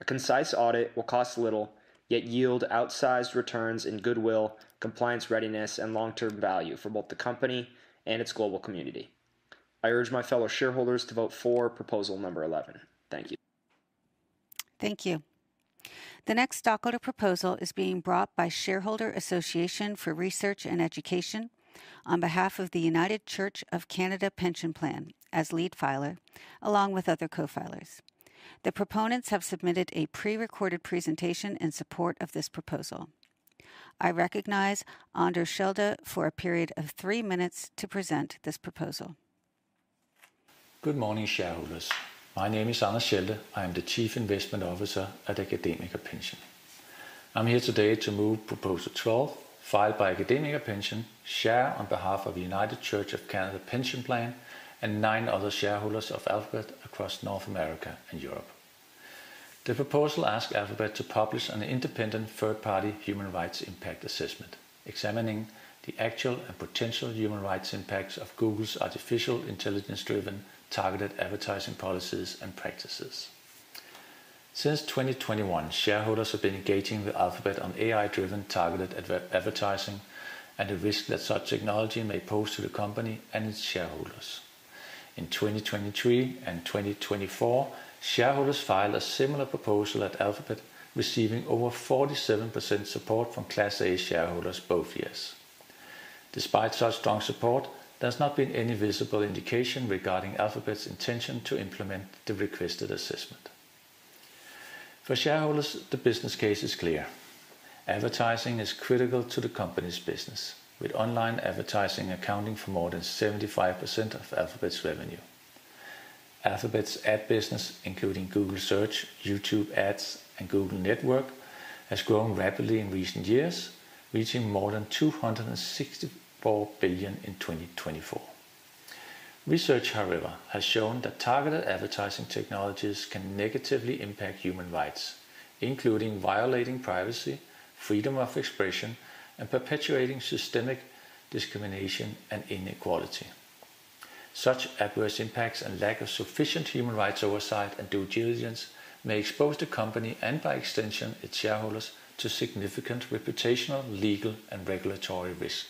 A concise audit will cost little, yet yield outsized returns in goodwill, compliance readiness, and long-term value for both the company and its global community. I urge my fellow shareholders to vote for proposal number 11. Thank you. Thank you. The next stockholder proposal is being brought by Shareholder Association for Research and Education on behalf of the United Church of Canada Pension Plan as lead filer, along with other co-filers. The proponents have submitted a prerecorded presentation in support of this proposal. I recognize Anders Schelde for a period of three minutes to present this proposal. Good morning, shareholders. My name is Anders Schelde. I am the Chief Investment Officer at AcademikerPension. I'm here today to move proposal 12, filed by AcademikerPension, share on behalf of the United Church of Canada Pension Plan and nine other shareholders of Alphabet across North America and Europe. The proposal asks Alphabet to publish an independent third-party human rights impact assessment examining the actual and potential human rights impacts of Google's artificial intelligence-driven targeted advertising policies and practices. Since 2021, shareholders have been engaging with Alphabet on AI-driven targeted advertising and the risk that such technology may pose to the company and its shareholders. In 2023 and 2024, shareholders filed a similar proposal at Alphabet, receiving over 47% support from Class A shareholders both years. Despite such strong support, there has not been any visible indication regarding Alphabet's intention to implement the requested assessment. For shareholders, the business case is clear. Advertising is critical to the company's business, with online advertising accounting for more than 75% of Alphabet's revenue. Alphabet's ad business, including Google Search, YouTube Ads, and Google Network, has grown rapidly in recent years, reaching more than $264 billion in 2024. Research, however, has shown that targeted advertising technologies can negatively impact human rights, including violating privacy, freedom of expression, and perpetuating systemic discrimination and inequality. Such adverse impacts and lack of sufficient human rights oversight and due diligence may expose the company and, by extension, its shareholders, to significant reputational, legal, and regulatory risk.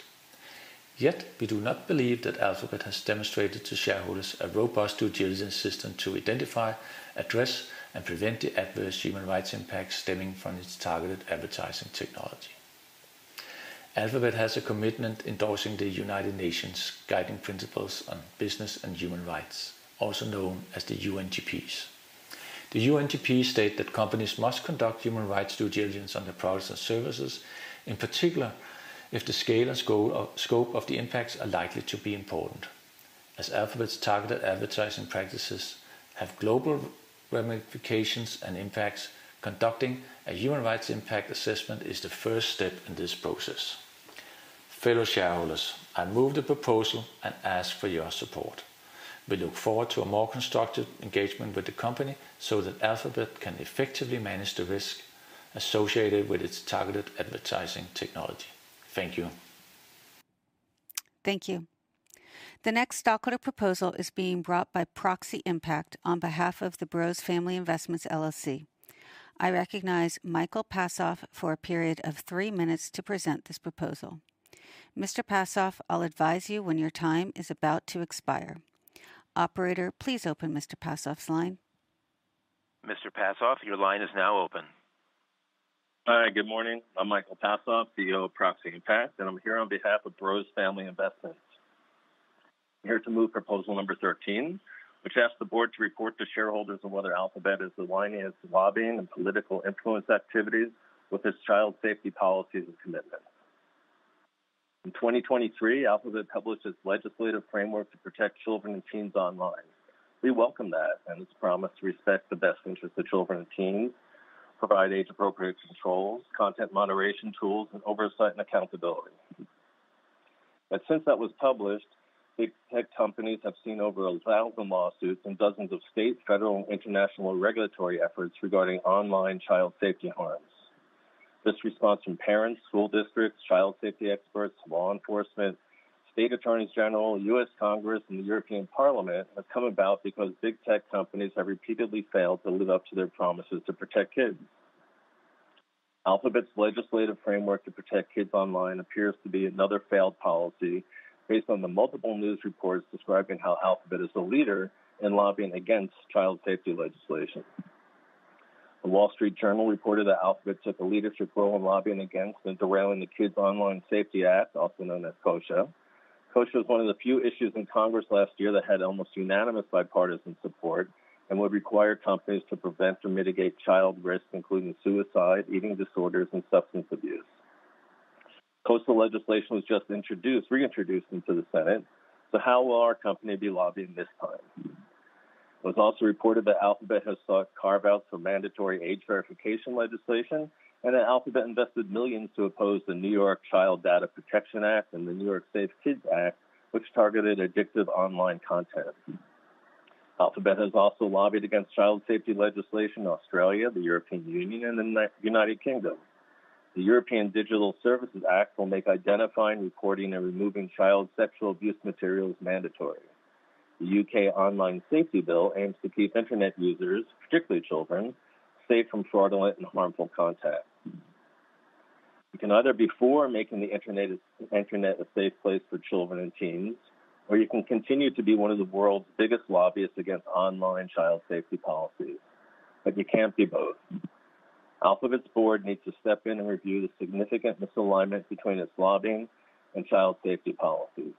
Yet, we do not believe that Alphabet has demonstrated to shareholders a robust due diligence system to identify, address, and prevent the adverse human rights impacts stemming from its targeted advertising technology. Alphabet has a commitment endorsing the United Nations' guiding principles on business and human rights, also known as the UNGPs. The UNGPs state that companies must conduct human rights due diligence on their products and services, in particular if the scale and scope of the impacts are likely to be important. As Alphabet's targeted advertising practices have global ramifications and impacts, conducting a human rights impact assessment is the first step in this process. Fellow shareholders, I move the proposal and ask for your support. We look forward to a more constructive engagement with the company so that Alphabet can effectively manage the risk associated with its targeted advertising technology. Thank you. Thank you. The next stockholder proposal is being brought by Proxy Impact on behalf of the Bros Family Investments LLC. I recognize Michael Passoff for a period of three minutes to present this proposal. Mr. Passoff, I'll advise you when your time is about to expire. Operator, please open Mr. Passoff's line. Mr. Passoff, your line is now open. Hi, good morning. I'm Michael Passoff, CEO of Proxy Impact, and I'm here on behalf of Bros Family Investments. I'm here to move proposal number 13, which asks the board to report to shareholders on whether Alphabet is aligning its lobbying and political influence activities with its child safety policies and commitments. In 2023, Alphabet published its legislative framework to protect children and teens online. We welcome that and its promise to respect the best interests of children and teens, provide age-appropriate controls, content moderation tools, and oversight and accountability. Since that was published, big tech companies have seen over 1,000 lawsuits and dozens of state, federal, and international regulatory efforts regarding online child safety harms. This response from parents, school districts, child safety experts, law enforcement, state attorneys general, U.S. Congress, and the European Parliament has come about because big tech companies have repeatedly failed to live up to their promises to protect kids. Alphabet's legislative framework to protect kids online appears to be another failed policy based on the multiple news reports describing how Alphabet is a leader in lobbying against child safety legislation. The Wall Street Journal reported that Alphabet took a leadership role in lobbying against the Derailing the Kids Online Safety Act, also known as KOSA. KOSA was one of the few issues in Congress last year that had almost unanimous bipartisan support and would require companies to prevent or mitigate child risk, including suicide, eating disorders, and substance abuse. KOSA legislation was just reintroduced into the Senate, so how will our company be lobbying this time? It was also reported that Alphabet has sought carve-outs for mandatory age verification legislation, and that Alphabet invested millions to oppose the New York Child Data Protection Act and the New York Safe Kids Act, which targeted addictive online content. Alphabet has also lobbied against child safety legislation in Australia, the European Union, and the United Kingdom. The European Digital Services Act will make identifying, recording, and removing child sexual abuse materials mandatory. The U.K. Online Safety Bill aims to keep internet users, particularly children, safe from fraudulent and harmful contacts. You can either be for making the internet a safe place for children and teens, or you can continue to be one of the world's biggest lobbyists against online child safety policies, but you can't be both. Alphabet's board needs to step in and review the significant misalignment between its lobbying and child safety policies.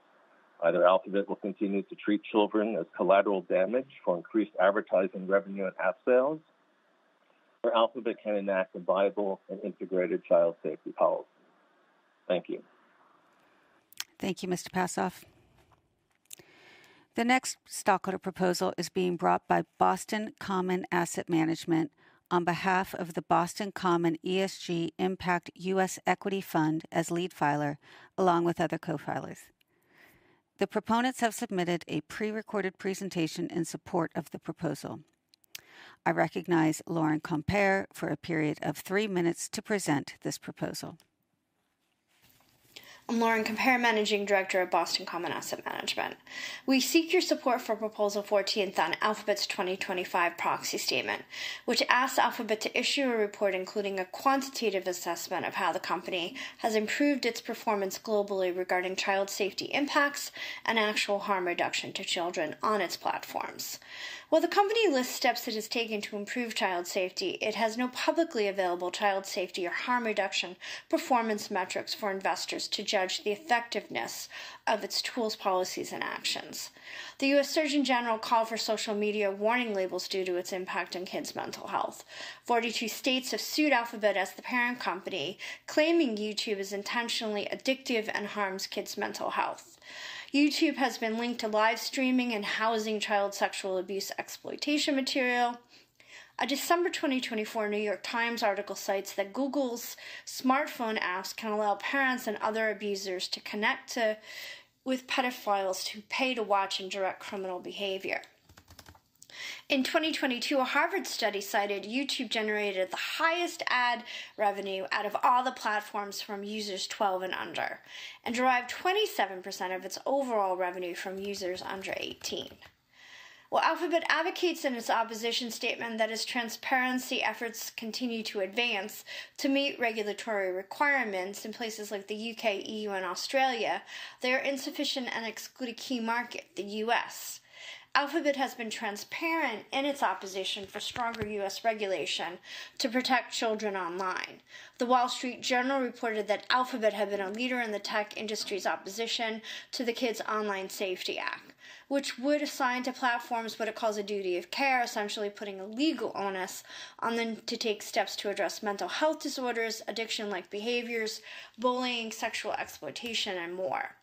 Either Alphabet will continue to treat children as collateral damage for increased advertising revenue and app sales, or Alphabet can enact a viable and integrated child safety policy. Thank you. Thank you, Mr. Passoff. The next stockholder proposal is being brought by Boston Common Asset Management on behalf of the Boston Common ESG Impact U.S. Equity Fund as lead filer, along with other co-filers. The proponents have submitted a prerecorded presentation in support of the proposal. I recognize Lauren Compere for a period of three minutes to present this proposal. I'm Lauren Compere, Managing Director at Boston Common Asset Management. We seek your support for proposal 14th on Alphabet's 2025 Proxy Statement, which asks Alphabet to issue a report including a quantitative assessment of how the company has improved its performance globally regarding child safety impacts and actual harm reduction to children on its platforms. While the company lists steps it has taken to improve child safety, it has no publicly available child safety or harm reduction performance metrics for investors to judge the effectiveness of its tools, policies, and actions. The U.S. Surgeon General called for social media warning labels due to its impact on kids' mental health. Forty-two states have sued Alphabet as the parent company, claiming YouTube is intentionally addictive and harms kids' mental health. YouTube has been linked to live streaming and housing child sexual abuse exploitation material. A December 2024 New York Times article cites that Google's smartphone apps can allow parents and other abusers to connect with pedophiles who pay to watch and direct criminal behavior. In 2022, a Harvard study cited YouTube generated the highest ad revenue out of all the platforms from users 12 and under and derived 27% of its overall revenue from users under 18. While Alphabet advocates in its opposition statement that its transparency efforts continue to advance to meet regulatory requirements in places like the U.K., E.U., and Australia, they are insufficient and exclude a key market, the U.S. Alphabet has been transparent in its opposition for stronger U.S. regulation to protect children online. The Wall Street Journal reported that Alphabet had been a leader in the tech industry's opposition to the Kids Online Safety Act, which would assign to platforms what it calls a duty of care, essentially putting a legal onus on them to take steps to address mental health disorders, addiction-like behaviors, bullying, sexual exploitation, and more.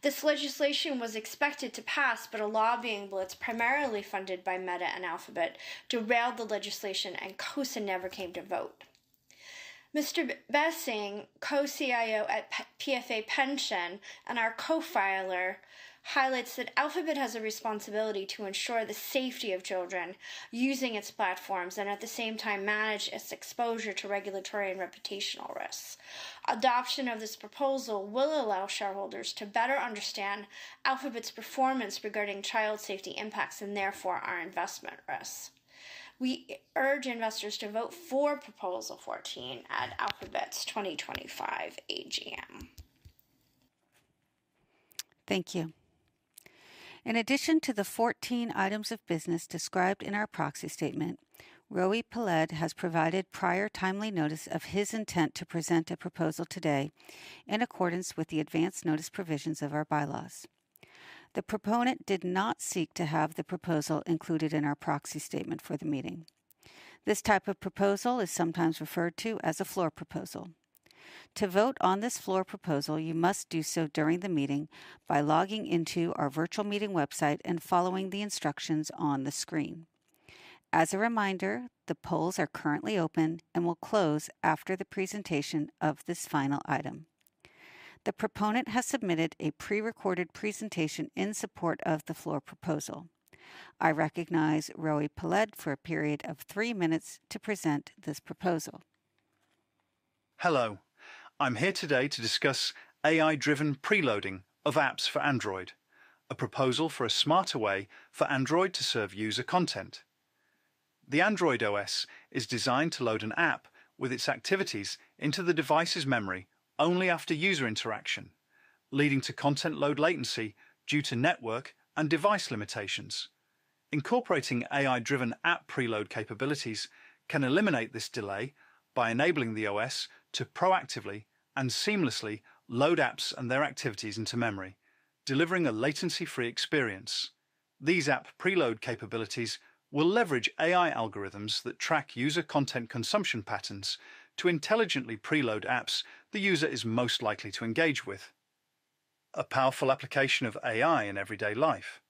This legislation was expected to pass, but a lobbying blitz primarily funded by Meta and Alphabet derailed the legislation, and KOSA never came to vote. Mr. Bessing, Co-CIO at PFA Pension and our co-filer, highlights that Alphabet has a responsibility to ensure the safety of children using its platforms and at the same time manage its exposure to regulatory and reputational risks. Adoption of this proposal will allow shareholders to better understand Alphabet's performance regarding child safety impacts and therefore our investment risks. We urge investors to vote for proposal 14 at Alphabet's 2025 AGM. Thank you. In addition to the 14 items of business described in our proxy statement, Rohi Paled has provided prior timely notice of his intent to present a proposal today in accordance with the advance notice provisions of our bylaws. The proponent did not seek to have the proposal included in our proxy statement for the meeting. This type of proposal is sometimes referred to as a floor proposal. To vote on this floor proposal, you must do so during the meeting by logging into our virtual meeting website and following the instructions on the screen. As a reminder, the polls are currently open and will close after the presentation of this final item. The proponent has submitted a prerecorded presentation in support of the floor proposal. I recognize Rohi Paled for a period of three minutes to present this proposal. Hello. I'm here today to discuss AI-driven preloading of apps for Android, a proposal for a smarter way for Android to serve user content. The Android OS is designed to load an app with its activities into the device's memory only after user interaction, leading to content load latency due to network and device limitations. Incorporating AI-driven App preload capabilities can eliminate this delay by enabling the OS to proactively and seamlessly load apps and their activities into memory, delivering a latency-free experience. These app preload capabilities will leverage AI algorithms that track user content consumption patterns to intelligently preload apps the user is most likely to engage with, a powerful application of AI in everyday life.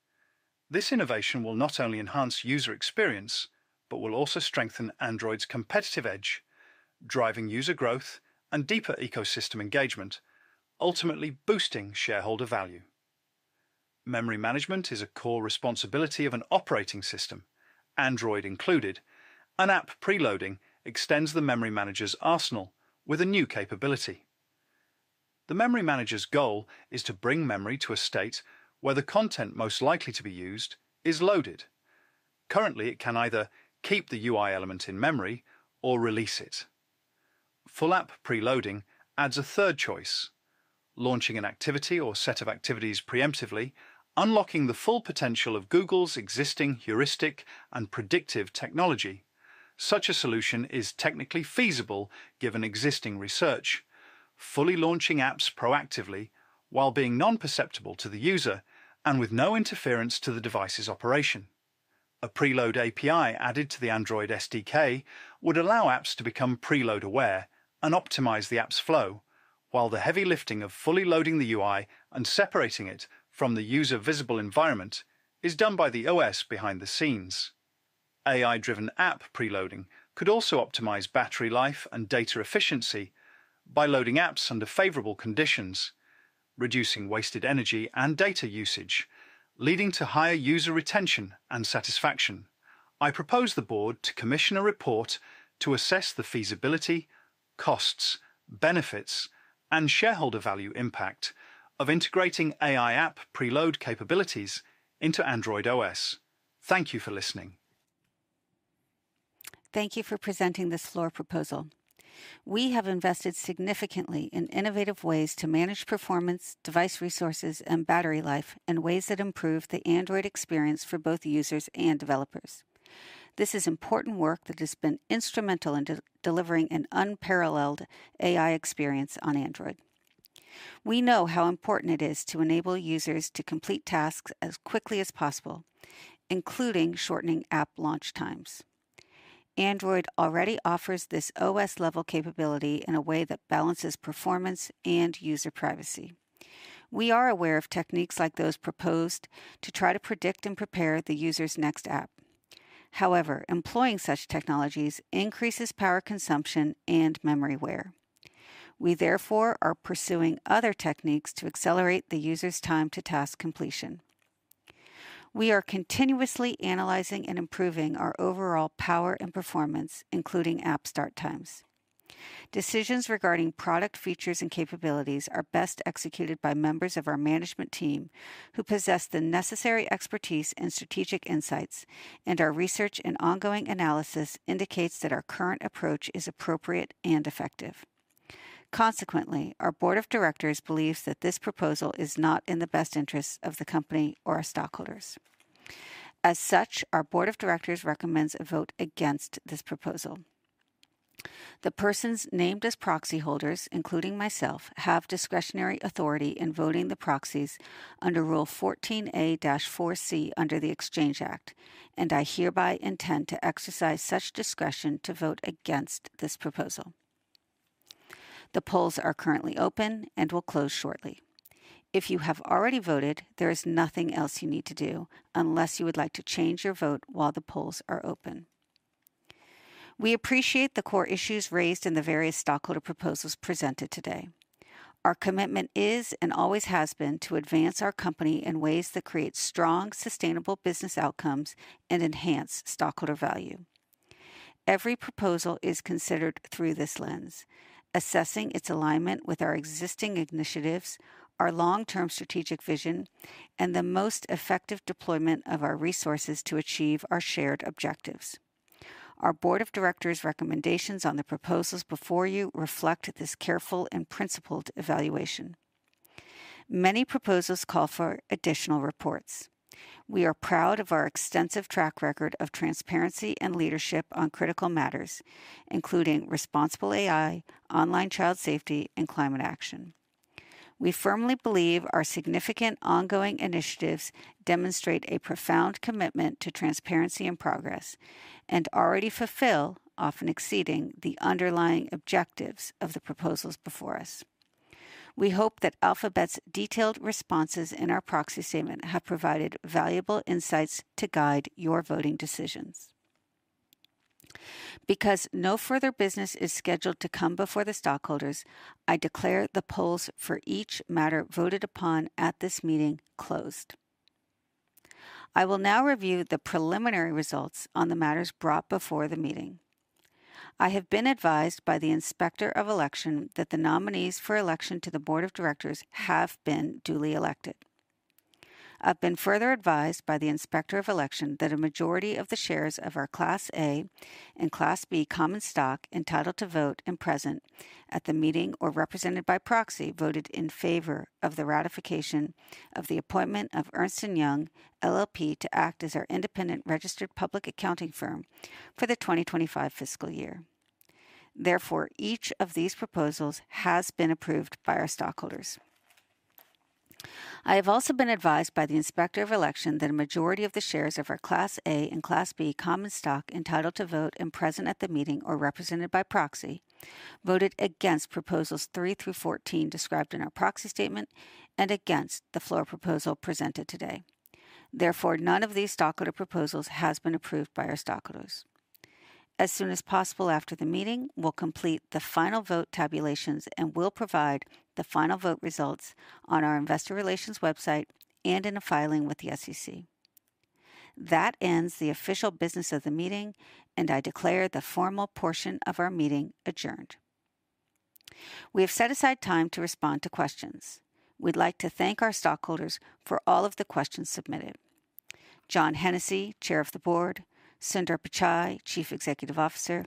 This innovation will not only enhance user experience but will also strengthen Android's competitive edge, driving user growth and deeper ecosystem engagement, ultimately boosting shareholder value. Memory management is a core responsibility of an operating system, Android included. An app preloading extends the memory manager's arsenal with a new capability. The memory manager's goal is to bring memory to a state where the content most likely to be used is loaded. Currently, it can either keep the UI element in memory or release it. Full app preloading adds a third choice: launching an activity or set of activities preemptively, unlocking the full potential of Google's existing heuristic and predictive technology. Such a solution is technically feasible given existing research, fully launching apps proactively while being non-perceptible to the user and with no interference to the device's operation. A preload API added to the Android SDK would allow apps to become preload aware and optimize the app's flow, while the heavy lifting of fully loading the UI and separating it from the user-visible environment is done by the OS behind the scenes. AI-driven app preloading could also optimize battery life and data efficiency by loading apps under favorable conditions, reducing wasted energy and data usage, leading to higher user retention and satisfaction. I propose the board to commission a report to assess the feasibility, costs, benefits, and shareholder value impact of integrating AI app preload capabilities into Android OS. Thank you for listening. Thank you for presenting this floor proposal. We have invested significantly in innovative ways to manage performance, device resources, and battery life in ways that improve the Android experience for both users and developers. This is important work that has been instrumental in delivering an unparalleled AI experience on Android. We know how important it is to enable users to complete tasks as quickly as possible, including shortening app launch times. Android already offers this OS-level capability in a way that balances performance and user privacy. We are aware of techniques like those proposed to try to predict and prepare the user's next app. However, employing such technologies increases power consumption and memory wear. We therefore are pursuing other techniques to accelerate the user's time to task completion. We are continuously analyzing and improving our overall power and performance, including app start times. Decisions regarding product features and capabilities are best executed by members of our management team who possess the necessary expertise and strategic insights, and our research and ongoing analysis indicates that our current approach is appropriate and effective. Consequently, our board of directors believes that this proposal is not in the best interests of the company or our stockholders. As such, our board of directors recommends a vote against this proposal. The persons named as proxy holders, including myself, have discretionary authority in voting the proxies under Rule 14A-4C under the Exchange Act, and I hereby intend to exercise such discretion to vote against this proposal. The polls are currently open and will close shortly. If you have already voted, there is nothing else you need to do unless you would like to change your vote while the polls are open. We appreciate the core issues raised in the various stockholder proposals presented today. Our commitment is and always has been to advance our company in ways that create strong, sustainable business outcomes and enhance stockholder value. Every proposal is considered through this lens, assessing its alignment with our existing initiatives, our long-term strategic vision, and the most effective deployment of our resources to achieve our shared objectives. Our Board of Directors' recommendations on the proposals before you reflect this careful and principled evaluation. Many proposals call for additional reports. We are proud of our extensive track record of transparency and leadership on critical matters, including responsible AI, online child safety, and climate action. We firmly believe our significant ongoing initiatives demonstrate a profound commitment to transparency and progress and already fulfill, often exceeding, the underlying objectives of the proposals before us. We hope that Alphabet's detailed responses in our proxy statement have provided valuable insights to guide your voting decisions. Because no further business is scheduled to come before the stockholders, I declare the polls for each matter voted upon at this meeting closed. I will now review the preliminary results on the matters brought before the meeting. I have been advised by the inspector of election that the nominees for election to the board of directors have been duly elected. I've been further advised by the inspector of election that a majority of the shares of our Class A and Class B common stock entitled to vote and present at the meeting or represented by proxy voted in favor of the ratification of the appointment of Ernst & Young LLP to act as our independent registered public accounting firm for the 2025 fiscal year. Therefore, each of these proposals has been approved by our stockholders. I have also been advised by the inspector of election that a majority of the shares of our Class A and Class B common stock entitled to vote and present at the meeting or represented by proxy voted against proposals 3 through 14 described in our proxy statement and against the floor proposal presented today. Therefore, none of these stockholder proposals has been approved by our stockholders. As soon as possible after the meeting, we'll complete the final vote tabulations and we'll provide the final vote results on our investor relations website and in a filing with the SEC. That ends the official business of the meeting, and I declare the formal portion of our meeting adjourned. We have set aside time to respond to questions. We'd like to thank our stockholders for all of the questions submitted. John Hennessy, Chair of the Board, Sundar Pichai, Chief Executive Officer,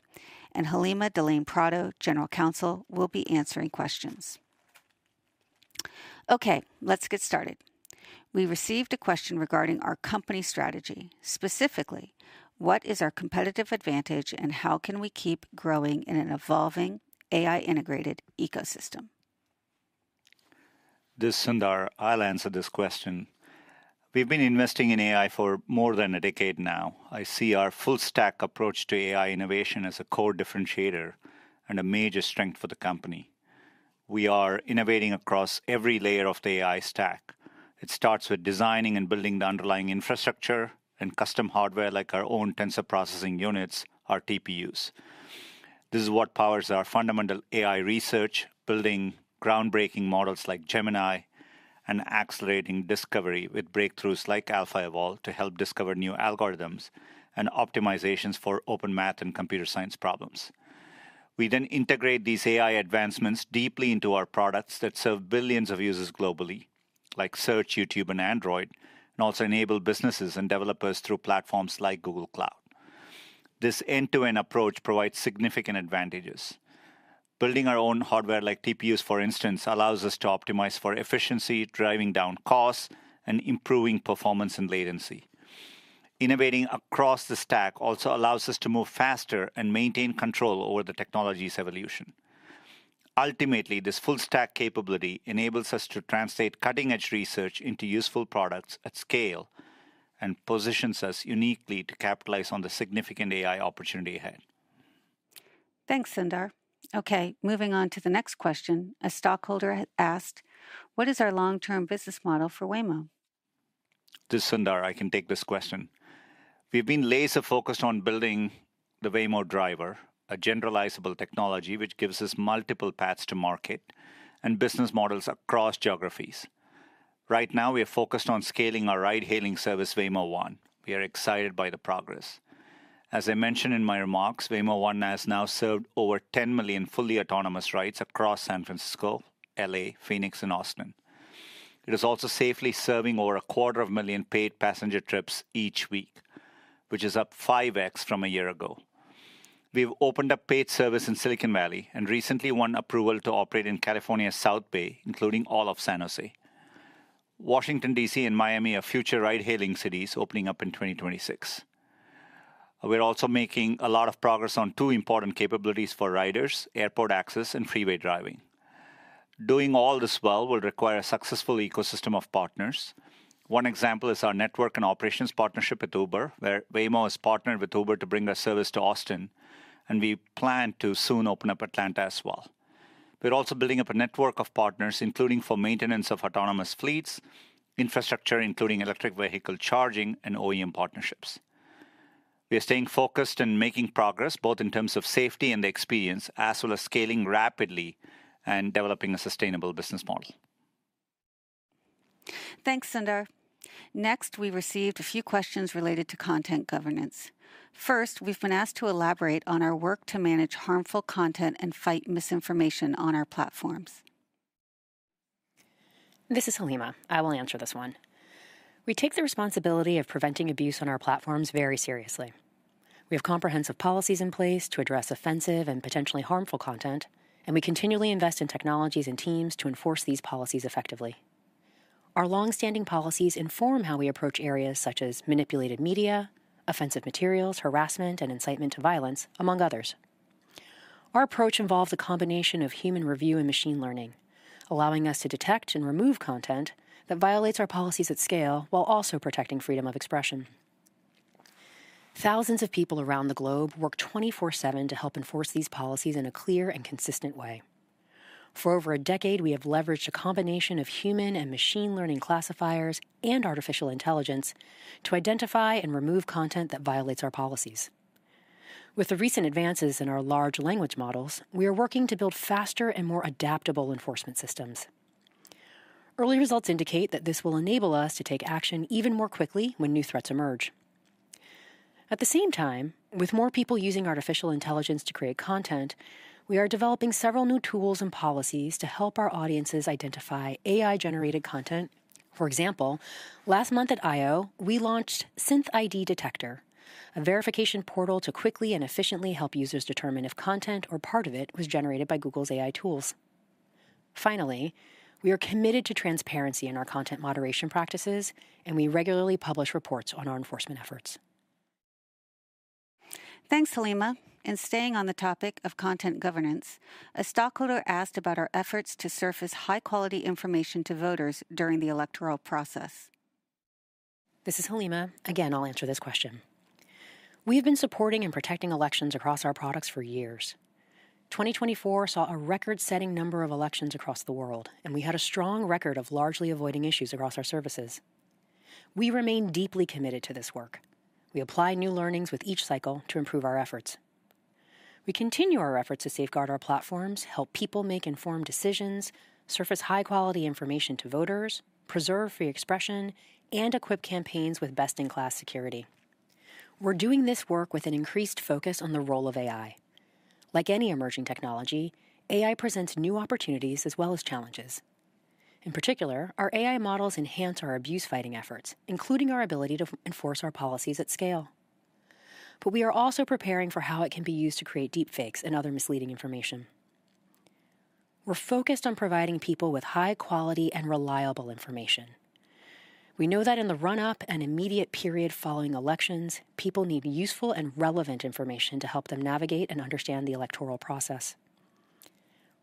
and Halimah DeLaine Prado, General Counsel, will be answering questions. Okay, let's get started. We received a question regarding our company strategy. Specifically, what is our competitive advantage and how can we keep growing in an evolving AI-integrated ecosystem? This is Sundar, I'll answer this question. We've been investing in AI for more than a decade now. I see our full-stack approach to AI innovation as a core differentiator and a major strength for the company. We are innovating across every layer of the AI stack. It starts with designing and building the underlying infrastructure and custom hardware like our own tensor processing units, our TPUs. This is what powers our fundamental AI research, building groundbreaking models like Gemini and accelerating discovery with breakthroughs like AlphaEvolve to help discover new algorithms and optimizations for open math and computer science problems. We then integrate these AI advancements deeply into our products that serve billions of users globally, like Search, YouTube, and Android, and also enable businesses and developers through platforms like Google Cloud. This end-to-end approach provides significant advantages. Building our own hardware like TPUs, for instance, allows us to optimize for efficiency, driving down costs, and improving performance and latency. Innovating across the stack also allows us to move faster and maintain control over the technology's evolution. Ultimately, this full-stack capability enables us to translate cutting-edge research into useful products at scale and positions us uniquely to capitalize on the significant AI opportunity ahead. Thanks, Sundar. Okay, moving on to the next question. A stockholder asked, what is our long-term business model for Waymo? This is Sundar, I can take this question. We've been laser-focused on building the Waymo driver, a generalizable technology which gives us multiple paths to market and business models across geographies. Right now, we are focused on scaling our ride-hailing service, Waymo One. We are excited by the progress. As I mentioned in my remarks, Waymo One has now served over 10 million fully autonomous rides across San Francisco, LA, Phoenix, and Austin. It is also safely serving over a quarter of a million paid passenger trips each week, which is up 5x from a year ago. We've opened up paid service in Silicon Valley and recently won approval to operate in California's South Bay, including all of San Jose, Washington, D.C., and Miami, our future ride-hailing cities opening up in 2026. We're also making a lot of progress on two important capabilities for riders: airport access and freeway driving. Doing all this well will require a successful ecosystem of partners. One example is our network and operations partnership with Uber, where Waymo has partnered with Uber to bring our service to Austin, and we plan to soon open up Atlanta as well. We're also building up a network of partners, including for maintenance of autonomous fleets, infrastructure including electric vehicle charging, and OEM partnerships. We are staying focused and making progress both in terms of safety and the experience, as well as scaling rapidly and developing a sustainable business model. Thanks, Sundar. Next, we received a few questions related to content governance. First, we've been asked to elaborate on our work to manage harmful content and fight misinformation on our platforms. This is Halimah. I will answer this one. We take the responsibility of preventing abuse on our platforms very seriously. We have comprehensive policies in place to address offensive and potentially harmful content, and we continually invest in technologies and teams to enforce these policies effectively. Our longstanding policies inform how we approach areas such as manipulated media, offensive materials, harassment, and incitement to violence, among others. Our approach involves a combination of human review and machine learning, allowing us to detect and remove content that violates our policies at scale while also protecting freedom of expression. Thousands of people around the globe work 24/7 to help enforce these policies in a clear and consistent way. For over a decade, we have leveraged a combination of human and machine learning classifiers and artificial intelligence to identify and remove content that violates our policies. With the recent advances in our large language models, we are working to build faster and more adaptable enforcement systems. Early results indicate that this will enable us to take action even more quickly when new threats emerge. At the same time, with more people using artificial intelligence to create content, we are developing several new tools and policies to help our audiences identify AI-generated content. For example, last month at I/O, we launched SynthID Detector, a verification portal to quickly and efficiently help users determine if content or part of it was generated by Google's AI tools. Finally, we are committed to transparency in our content moderation practices, and we regularly publish reports on our enforcement efforts. Thanks, Halimah. Staying on the topic of content governance, a stockholder asked about our efforts to surface high-quality information to voters during the electoral process. This is Halimah. Again, I'll answer this question. We have been supporting and protecting elections across our products for years. 2024 saw a record-setting number of elections across the world, and we had a strong record of largely avoiding issues across our services. We remain deeply committed to this work. We apply new learnings with each cycle to improve our efforts. We continue our efforts to safeguard our platforms, help people make informed decisions, surface high-quality information to voters, preserve free expression, and equip campaigns with best-in-class security. We're doing this work with an increased focus on the role of AI. Like any emerging technology, AI presents new opportunities as well as challenges. In particular, our AI models enhance our abuse-fighting efforts, including our ability to enforce our policies at scale. We are also preparing for how it can be used to create deepfakes and other misleading information. We're focused on providing people with high-quality and reliable information. We know that in the run-up and immediate period following elections, people need useful and relevant information to help them navigate and understand the electoral process.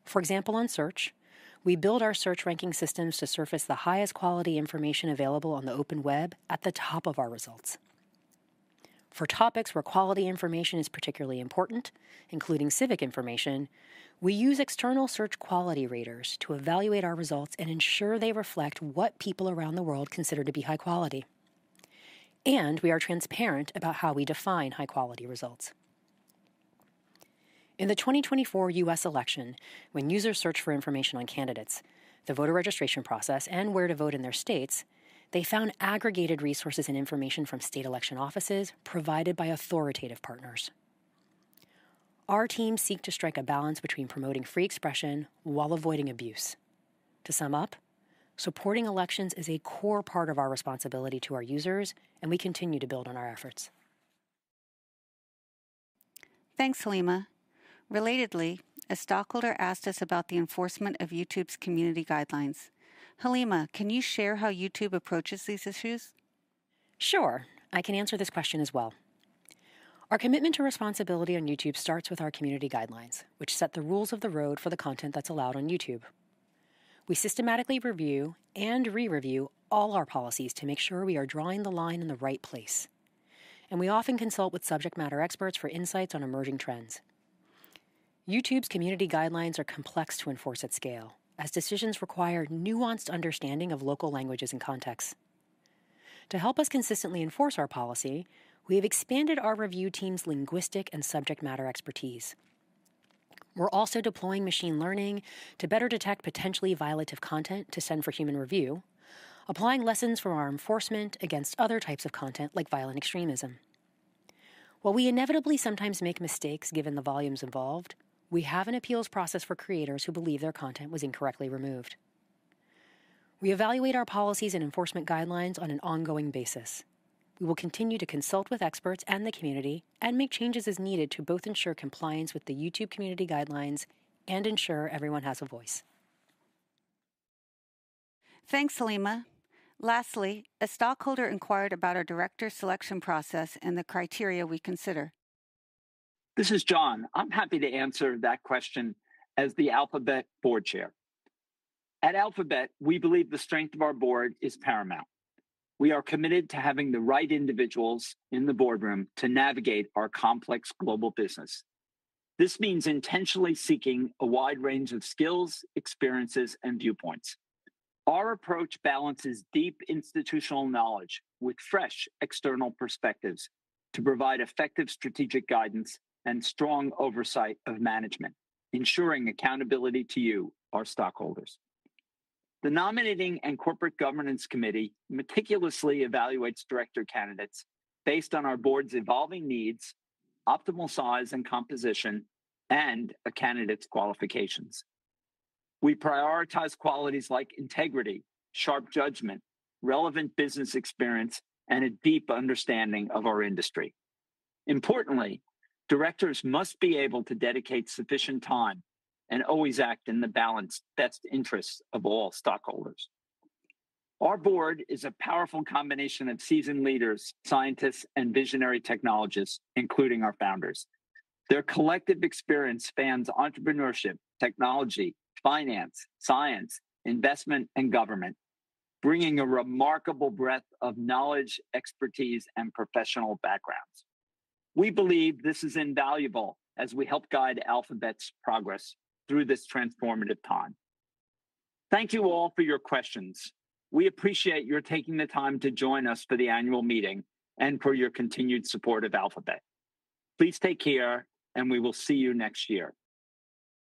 For example, on Search, we build our search ranking systems to surface the highest quality information available on the open web at the top of our results. For topics where quality information is particularly important, including civic information, we use external search quality raters to evaluate our results and ensure they reflect what people around the world consider to be high quality. We are transparent about how we define high-quality results. In the 2024 U.S. election, when users searched for information on candidates, the voter registration process, and where to vote in their states, they found aggregated resources and information from state election offices provided by authoritative partners. Our teams seek to strike a balance between promoting free expression while avoiding abuse. To sum up, supporting elections is a core part of our responsibility to our users, and we continue to build on our efforts. Thanks, Halimah. Relatedly, a stockholder asked us about the enforcement of YouTube's community guidelines. Halima, can you share how YouTube approaches these issues? Sure. I can answer this question as well. Our commitment to responsibility on YouTube starts with our community guidelines, which set the rules of the road for the content that's allowed on YouTube. We systematically review and re-review all our policies to make sure we are drawing the line in the right place. We often consult with subject matter experts for insights on emerging trends. YouTube's community guidelines are complex to enforce at scale, as decisions require nuanced understanding of local languages and contexts. To help us consistently enforce our policy, we have expanded our review team's linguistic and subject matter expertise. We're also deploying machine learning to better detect potentially violative content to send for human review, applying lessons from our enforcement against other types of content like violent extremism. While we inevitably sometimes make mistakes given the volumes involved, we have an appeals process for creators who believe their content was incorrectly removed. We evaluate our policies and enforcement guidelines on an ongoing basis. We will continue to consult with experts and the community and make changes as needed to both ensure compliance with the YouTube community guidelines and ensure everyone has a voice. Thanks, Halimah. Lastly, a stockholder inquired about our director selection process and the criteria we consider. This is John. I'm happy to answer that question as the Alphabet Board Chair. At Alphabet, we believe the strength of our board is paramount. We are committed to having the right individuals in the boardroom to navigate our complex global business. This means intentionally seeking a wide range of skills, experiences, and viewpoints. Our approach balances deep institutional knowledge with fresh external perspectives to provide effective strategic guidance and strong oversight of management, ensuring accountability to you, our stockholders. The Nominating and Corporate Governance Committee meticulously evaluates director candidates based on our board's evolving needs, optimal size and composition, and a candidate's qualifications. We prioritize qualities like integrity, sharp judgment, relevant business experience, and a deep understanding of our industry. Importantly, directors must be able to dedicate sufficient time and always act in the balanced best interests of all stockholders. Our board is a powerful combination of seasoned leaders, scientists, and visionary technologists, including our founders. Their collective experience spans entrepreneurship, technology, finance, science, investment, and government, bringing a remarkable breadth of knowledge, expertise, and professional backgrounds. We believe this is invaluable as we help guide Alphabet's progress through this transformative time. Thank you all for your questions. We appreciate your taking the time to join us for the annual meeting and for your continued support of Alphabet. Please take care, and we will see you next year.